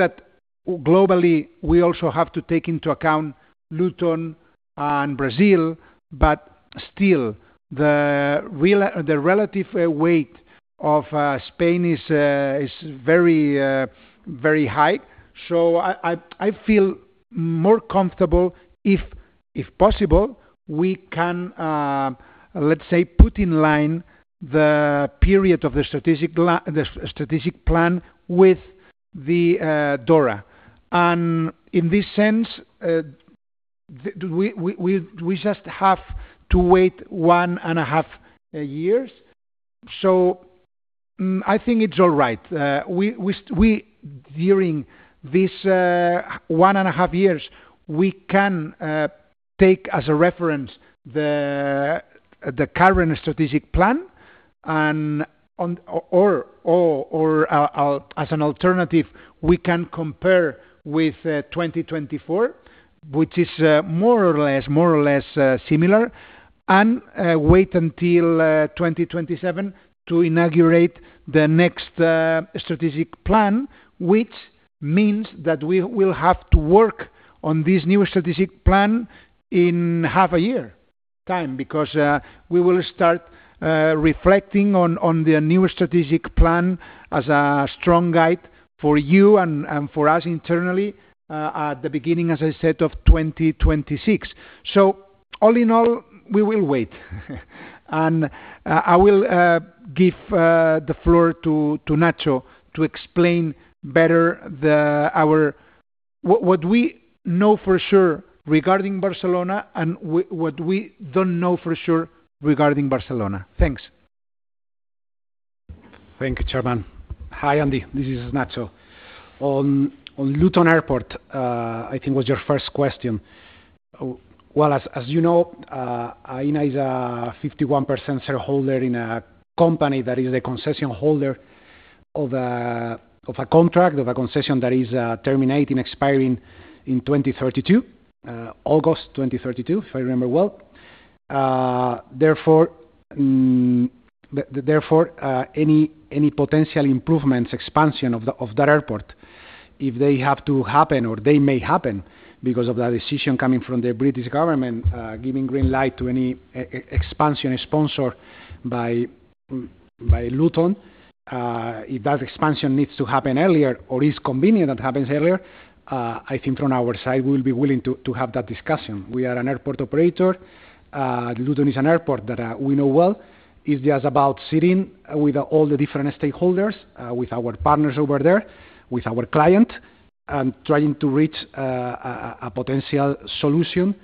that globally, we also have to take into account Luton and Brazil, but still, the relative weight of Spain is very high. So I feel more comfortable if possible. We can, let's say, put in line the period of the strategic plan with the DORA. And in this sense, we just have to wait one and a half years. So I think it's all right. During this one and a half years, we can take as a reference the current strategic plan, or as an alternative, we can compare with 2024, which is more or less similar, and wait until 2027 to inaugurate the next strategic plan, which means that we will have to work on this new strategic plan in half a year time because we will start reflecting on the new strategic plan as a strong guide for you and for us internally at the beginning, as I said, of 2026. So all in all, we will wait. I will give the floor to Nacho to explain better what we know for sure regarding Barcelona and what we don't know for sure regarding Barcelona. Thanks. Thank you, Chairman. Hi, Andy. This is Nacho. On Luton Airport, I think was your first question. Well, as you know, Aena is a 51% shareholder in a company that is the concession holder of a contract of a concession that is terminating and expiring in 2032, August 2032, if I remember well. Therefore, any potential improvements, expansion of that airport, if they have to happen or they may happen because of that decision coming from the British government giving green light to any expansion sponsored by Luton, if that expansion needs to happen earlier or is convenient that happens earlier, I think from our side, we'll be willing to have that discussion. We are an airport operator. Luton is an airport that we know well. It's just about sitting with all the different stakeholders, with our partners over there, with our client, and trying to reach a potential solution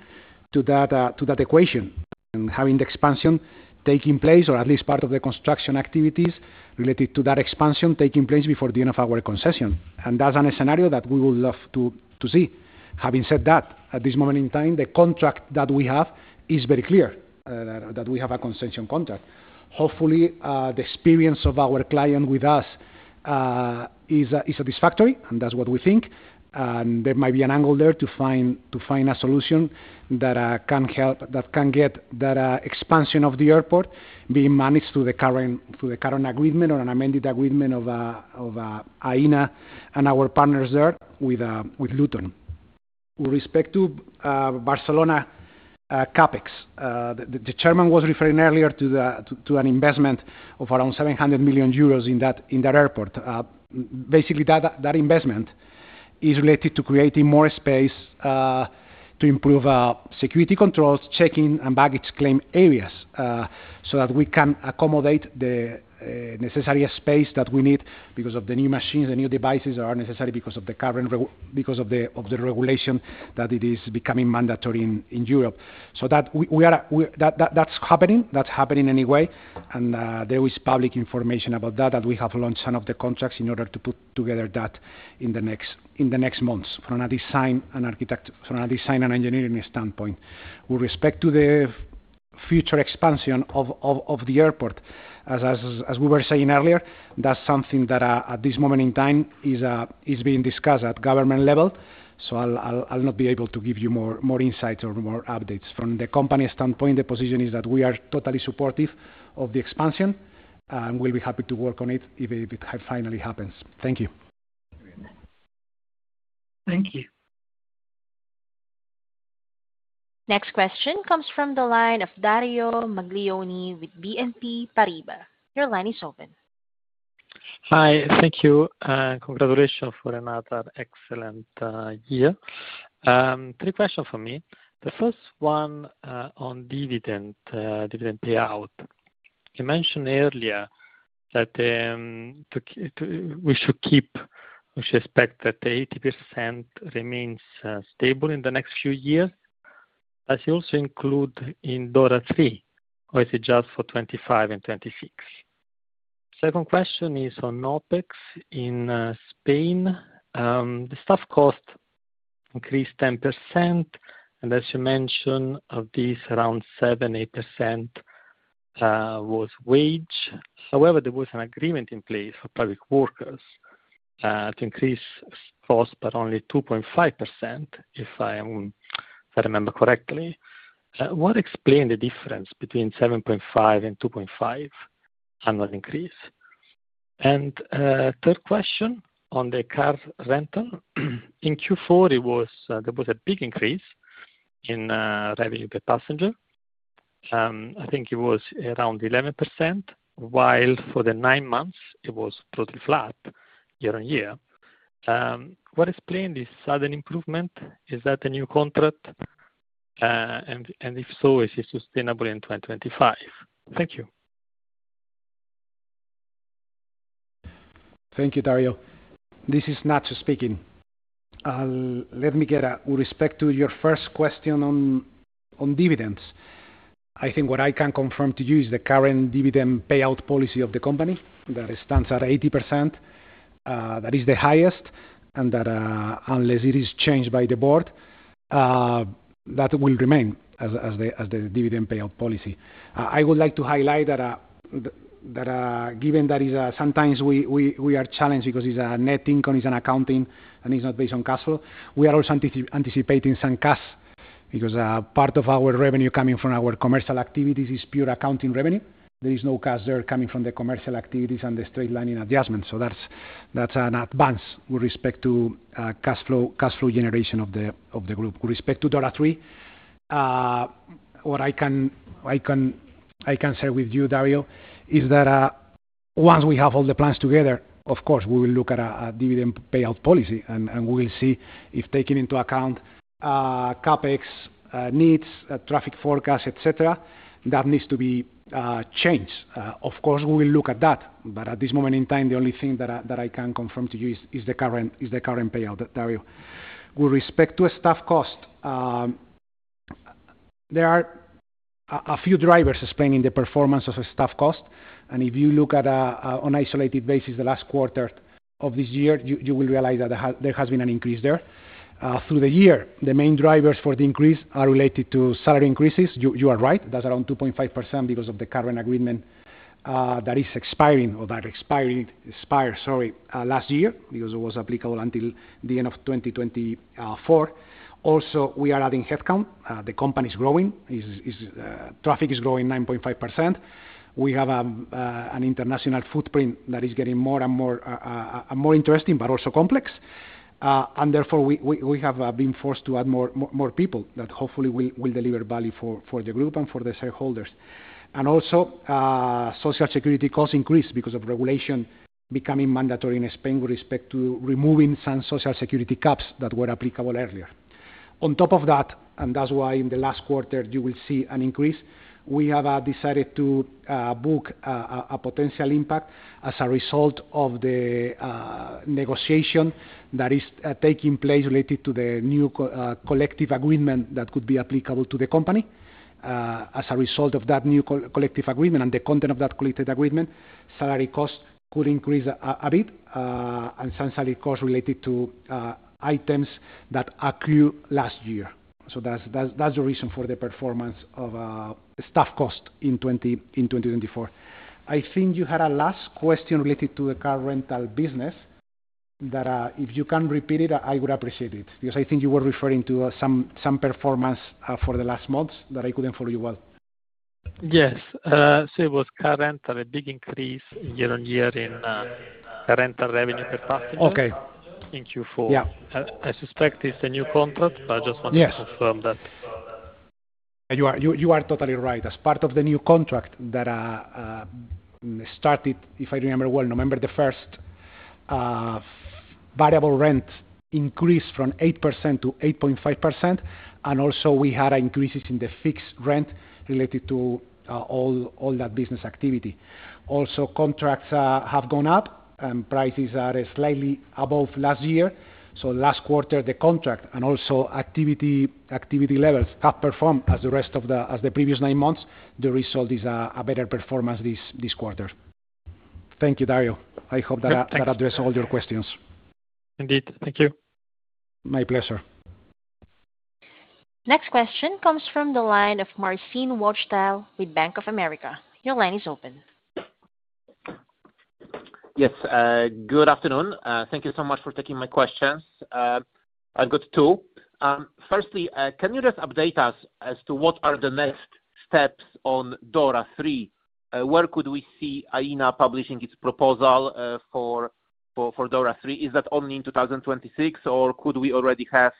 to that equation and having the expansion taking place or at least part of the construction activities related to that expansion taking place before the end of our concession, and that's a scenario that we would love to see. Having said that, at this moment in time, the contract that we have is very clear that we have a concession contract. Hopefully, the experience of our client with us is satisfactory, and that's what we think, and there might be an angle there to find a solution that can help that can get that expansion of the airport being managed through the current agreement or an amended agreement of Aena and our partners there with Luton. With respect to Barcelona CapEx, the Chairman was referring earlier to an investment of around 700 million euros in that airport. Basically, that investment is related to creating more space to improve security controls, check-in, and baggage claim areas so that we can accommodate the necessary space that we need because of the new machines, the new devices that are necessary because of the current regulation that it is becoming mandatory in Europe. So that's happening. That's happening anyway, and there is public information about that that we have launched some of the contracts in order to put together that in the next months from a design and engineering standpoint. With respect to the future expansion of the airport, as we were saying earlier, that's something that at this moment in time is being discussed at government level. I'll not be able to give you more insights or more updates. From the company standpoint, the position is that we are totally supportive of the expansion and we'll be happy to work on it if it finally happens. Thank you. Thank you. Next question comes from the line of Dario Maglione with BNP Paribas. Your line is open. Hi. Thank you. Congratulations for another excellent year. Three questions for me. The first one on dividend payout. You mentioned earlier that we should keep, we should expect that 80% remains stable in the next few years. Does it also include in DORA III, or is it just for 2025 and 2026? Second question is on OPEX in Spain. The staff cost increased 10%, and as you mentioned, of these, around 7-8% was wage. However, there was an agreement in place for public workers to increase costs by only 2.5%, if I remember correctly. What explained the difference between 7.5% and 2.5% and that increase? And third question on the car rental. In Q4, there was a big increase in revenue per passenger. I think it was around 11%, while for the nine months, it was totally flat year on year. What explained this sudden improvement? Is that the new contract, and if so, is it sustainable in 2025? Thank you. Thank you, Dario. This is Nacho speaking. With respect to your first question on dividends, I think what I can confirm to you is the current dividend payout policy of the company that stands at 80%. That is the highest, and unless it is changed by the Board, that will remain as the dividend payout policy. I would like to highlight that given that sometimes we are challenged because it's a net income, it's an accounting, and it's not based on cash flow. We are also anticipating some cash because part of our revenue coming from our commercial activities is pure accounting revenue. There is no cash there coming from the commercial activities and the straight-line adjustment. So that's an advance with respect to cash flow generation of the group. With respect to DORA III, what I can share with you, Dario, is that once we have all the plans together, of course, we will look at a dividend payout policy, and we will see if taking into account CAPEX needs, traffic forecast, etc., that needs to be changed. Of course, we will look at that. But at this moment in time, the only thing that I can confirm to you is the current payout, Dario. With respect to staff cost, there are a few drivers explaining the performance of staff cost. And if you look at an isolated basis the last quarter of this year, you will realize that there has been an increase there. Through the year, the main drivers for the increase are related to salary increases. You are right. That's around 2.5% because of the current agreement that is expiring or that expires, sorry, last year because it was applicable until the end of 2024. Also, we are adding headcount. The company is growing. Traffic is growing 9.5%. We have an international footprint that is getting more and more interesting, but also complex. Therefore, we have been forced to add more people that hopefully will deliver value for the group and for the shareholders. Also, social security costs increased because of regulation becoming mandatory in Spain with respect to removing some social security caps that were applicable earlier. On top of that, and that's why in the last quarter, you will see an increase, we have decided to book a potential impact as a result of the negotiation that is taking place related to the new collective agreement that could be applicable to the company. As a result of that new collective agreement and the content of that collective agreement, salary costs could increase a bit and some salary costs related to items that accrue last year. That's the reason for the performance of staff cost in 2024. I think you had a last question related to the car rental business that if you can repeat it, I would appreciate it because I think you were referring to some performance for the last months that I couldn't follow you well. Yes. So it was car rental, a big increase year on year in rental revenue per passenger. Okay. Thank you. I suspect it's a new contract, but I just wanted to confirm that. You are totally right. As part of the new contract that started, if I remember well, November the 1st, variable rent increased from 8% to 8.5%. And also, we had increases in the fixed rent related to all that business activity. Also, contracts have gone up, and prices are slightly above last year. So last quarter, the contract and also activity levels have performed as the rest of the previous nine months. The result is a better performance this quarter. Thank you, Dario. I hope that addressed all your questions. Indeed. Thank you. My pleasure. Next question comes from the line of Marcin Wojtal with Bank of America. Your line is open. Yes. Good afternoon. Thank you so much for taking my questions. Good too. Firstly, can you just update us as to what are the next steps on DORA III? Where could we see Aena publishing its proposal for DORA III? Is that only in 2026, or could we already have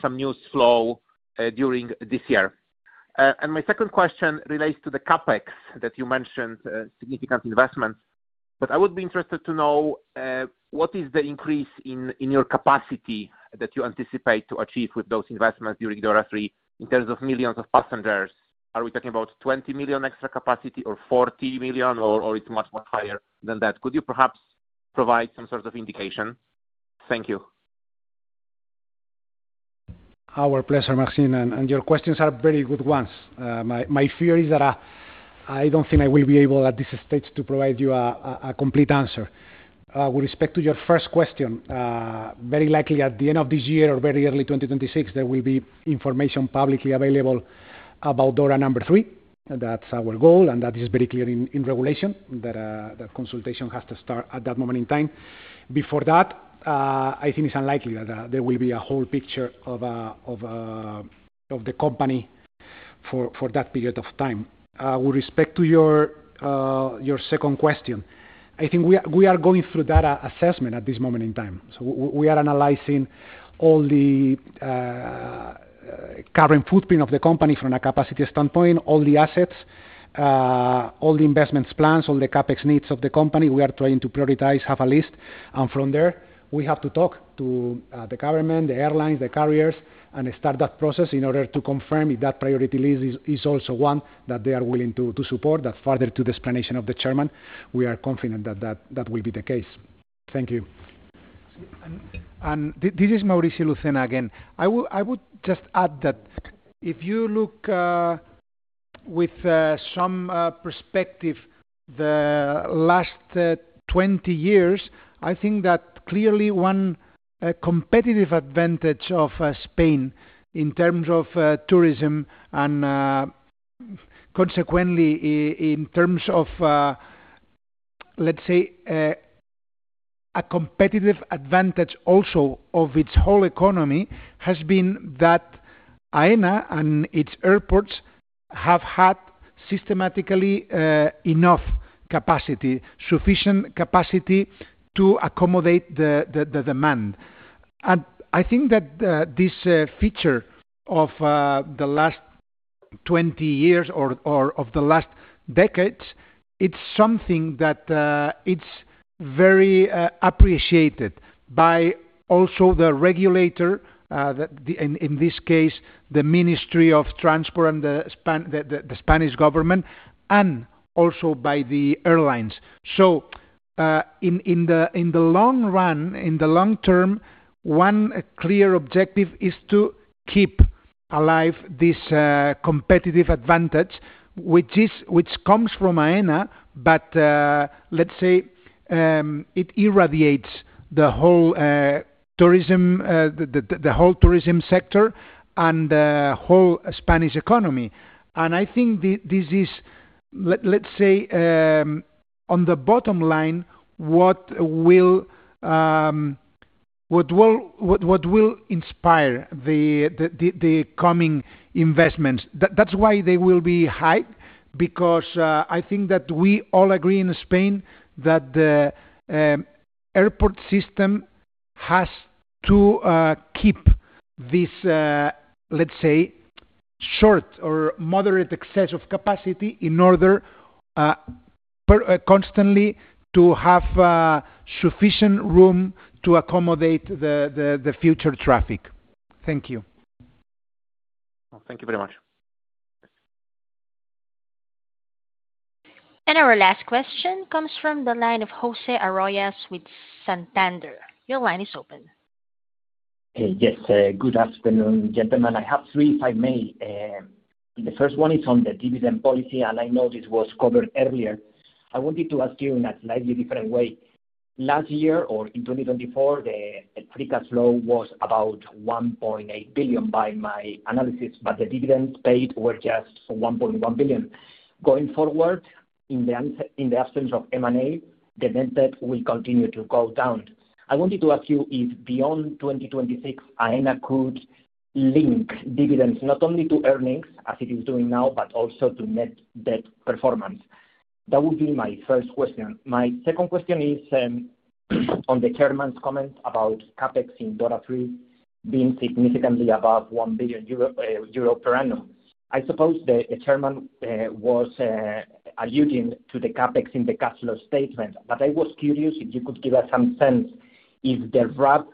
some news flow during this year? And my second question relates to the CAPEX that you mentioned, significant investments. But I would be interested to know what is the increase in your capacity that you anticipate to achieve with those investments during DORA III in terms of millions of passengers? Are we talking about 20 million extra capacity or 40 million, or it's much higher than that? Could you perhaps provide some sort of indication? Thank you. Our pleasure, Marcin. And your questions are very good ones. My fear is that I don't think I will be able at this stage to provide you a complete answer. With respect to your first question, very likely at the end of this year or very early 2026, there will be information publicly available about DORA number three. That's our goal, and that is very clear in regulation that consultation has to start at that moment in time. Before that, I think it's unlikely that there will be a whole picture of the company for that period of time. With respect to your second question, I think we are going through data assessment at this moment in time. So we are analyzing all the current footprint of the company from a capacity standpoint, all the assets, all the investment plans, all the CAPEX needs of the company. We are trying to prioritize, have a list, and from there, we have to talk to the government, the airlines, the carriers, and start that process in order to confirm if that priority list is also one that they are willing to support. That's further to the explanation of the Chairman. We are confident that that will be the case. Thank you. And this is Mauricio Lucena again. I would just add that if you look with some perspective, the last 20 years, I think that clearly one competitive advantage of Spain in terms of tourism and consequently in terms of, let's say, a competitive advantage also of its whole economy has been that Aena and its airports have had systematically enough capacity, sufficient capacity to accommodate the demand. And I think that this feature of the last 20 years or of the last decades, it's something that it's very appreciated by also the regulator, in this case, the Ministry of Transport and the Spanish government, and also by the airlines. So in the long run, in the long term, one clear objective is to keep alive this competitive advantage, which comes from Aena, but let's say it irradiates the whole tourism sector and the whole Spanish economy. I think this is, let's say, on the bottom line, what will inspire the coming investments. That's why they will be high, because I think that we all agree in Spain that the airport system has to keep this, let's say, short or moderate excess of capacity in order constantly to have sufficient room to accommodate the future traffic. Thank you. Thank you very much. Our last question comes from the line of José Manuel Arroyas with Santander. Your line is open. Yes. Good afternoon, gentlemen. I have three, if I may. The first one is on the dividend policy, and I know this was covered earlier. I wanted to ask you in a slightly different way. Last year or in 2024, the free cash flow was about 1.8 billion by my analysis, but the dividends paid were just 1.1 billion. Going forward, in the absence of M&A, the net debt will continue to go down. I wanted to ask you if beyond 2026, Aena could link dividends not only to earnings as it is doing now, but also to net debt performance. That would be my first question. My second question is on the Chairman's comment about CAPEX in DORA III being significantly above 1 billion euro per annum. I suppose the Chairman was alluding to the CAPEX in the cash flow statement, but I was curious if you could give us some sense if the RAB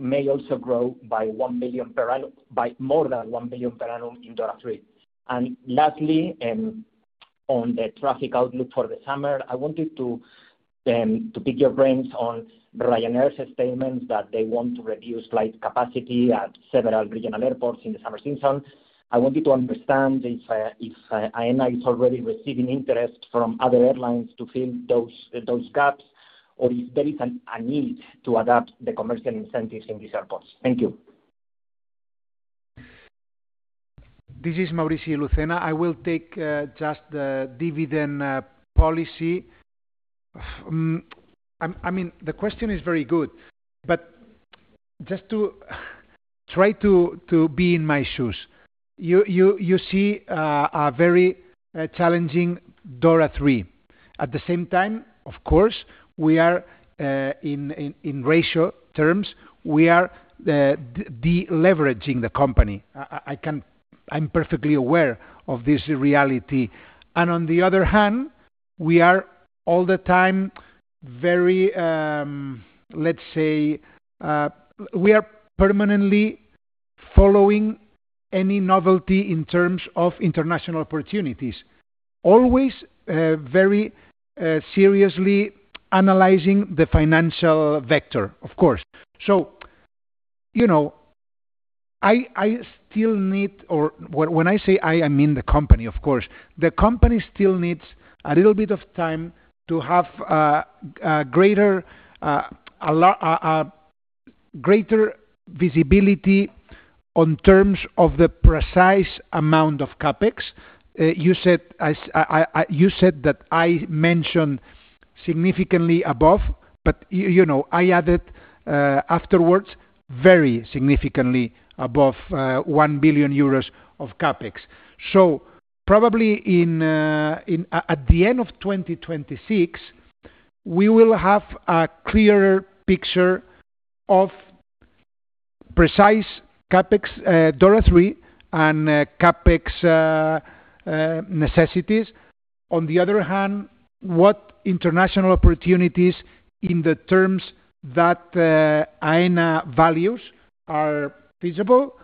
may also grow by more than 1 billion per annum in DORA III. And lastly, on the traffic outlook for the summer, I wanted to pick your brains on Ryanair's statements that they want to reduce flight capacity at several regional airports in the summer season. I wanted to understand if Aena is already receiving interest from other airlines to fill those gaps, or if there is a need to adapt the commercial incentives in these airports. Thank you. This is Mauricio Lucena. I will take just the dividend policy. I mean, the question is very good, but just to try to be in my shoes, you see a very challenging DORA III. At the same time, of course, we are in ratio terms, we are deleveraging the company. I'm perfectly aware of this reality, and on the other hand, we are all the time very, let's say, we are permanently following any novelty in terms of international opportunities, always very seriously analyzing the financial vector, of course. So I still need, or when I say I, I mean the company, of course. The company still needs a little bit of time to have greater visibility on terms of the precise amount of CAPEX. You said that I mentioned significantly above, but I added afterwards very significantly above 1 billion euros of CAPEX. So probably at the end of 2026, we will have a clearer picture of precise CAPEX DORA III and CAPEX necessities. On the other hand, what international opportunities in the terms that Aena values are feasible.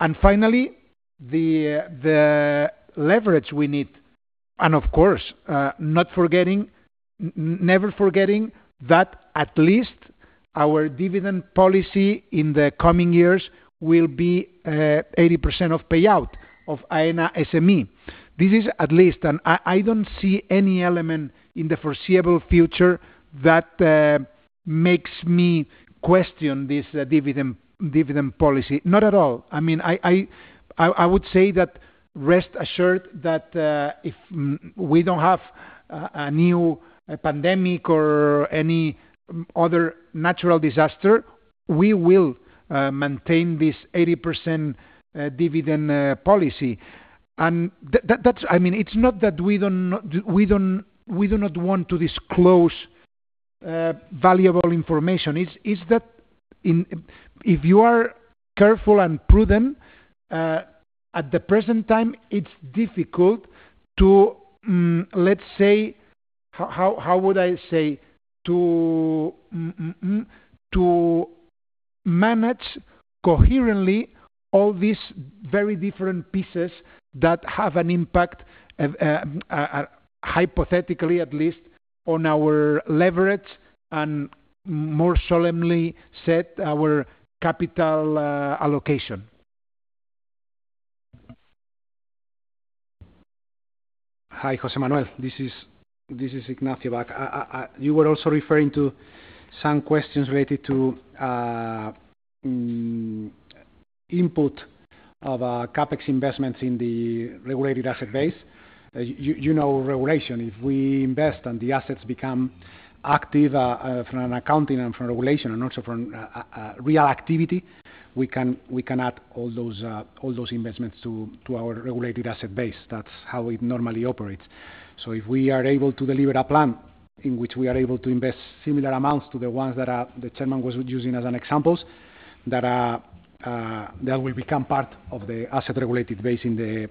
And finally, the leverage we need. And of course, never forgetting that at least our dividend policy in the coming years will be 80% of payout of Aena SME. This is at least, and I don't see any element in the foreseeable future that makes me question this dividend policy. Not at all. I mean, I would say that rest assured that if we don't have a new pandemic or any other natural disaster, we will maintain this 80% dividend policy. I mean, it's not that we do not want to disclose valuable information. It's that if you are careful and prudent, at the present time, it's difficult to, let's say, how would I say, to manage coherently all these very different pieces that have an impact, hypothetically at least, on our leverage and more solemnly said our capital allocation. Hi, José Manuel. This is Ignacio back. You were also referring to some questions related to input of CAPEX investments in the regulated asset base. You know regulation. If we invest and the assets become active from an accounting and from regulation and also from real activity, we can add all those investments to our regulated asset base. That's how it normally operates. If we are able to deliver a plan in which we are able to invest similar amounts to the ones that the Chairman was using as an example, that will become part of the regulated asset base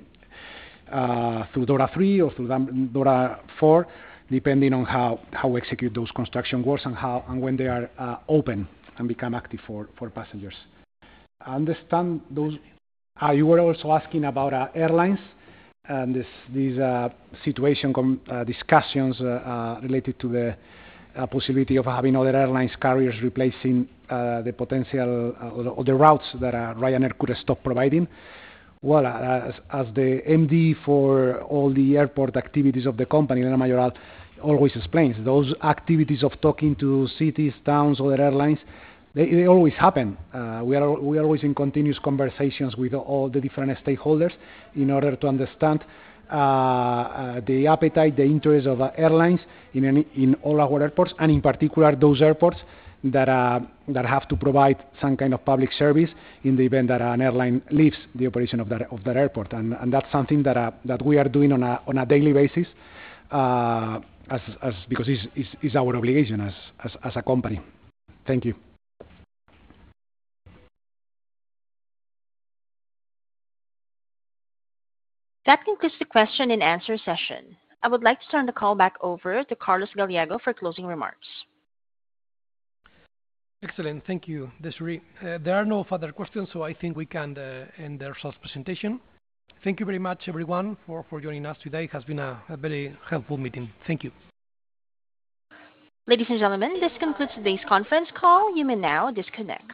through DORA III or through DORA IV, depending on how we execute those construction works and when they are open and become active for passengers. I understand those. You were also asking about airlines and these situation discussions related to the possibility of having other airline carriers replacing the potential or the routes that Ryanair could stop providing. As the MD for all the airport activities of the company, Elena Mayoral always explains, those activities of talking to cities, towns, other airlines, they always happen. We are always in continuous conversations with all the different stakeholders in order to understand the appetite, the interest of airlines in all our airports, and in particular those airports that have to provide some kind of public service in the event that an airline leaves the operation of that airport, and that's something that we are doing on a daily basis because it's our obligation as a company. Thank you. That concludes the question and answer session. I would like to turn the call back over to Carlos Gallego for closing remarks. Excellent. Thank you, Desirée. There are no further questions, so I think we can end the results presentation. Thank you very much, everyone, for joining us today. It has been a very helpful meeting. Thank you. Ladies and gentlemen, this concludes today's conference call. You may now disconnect.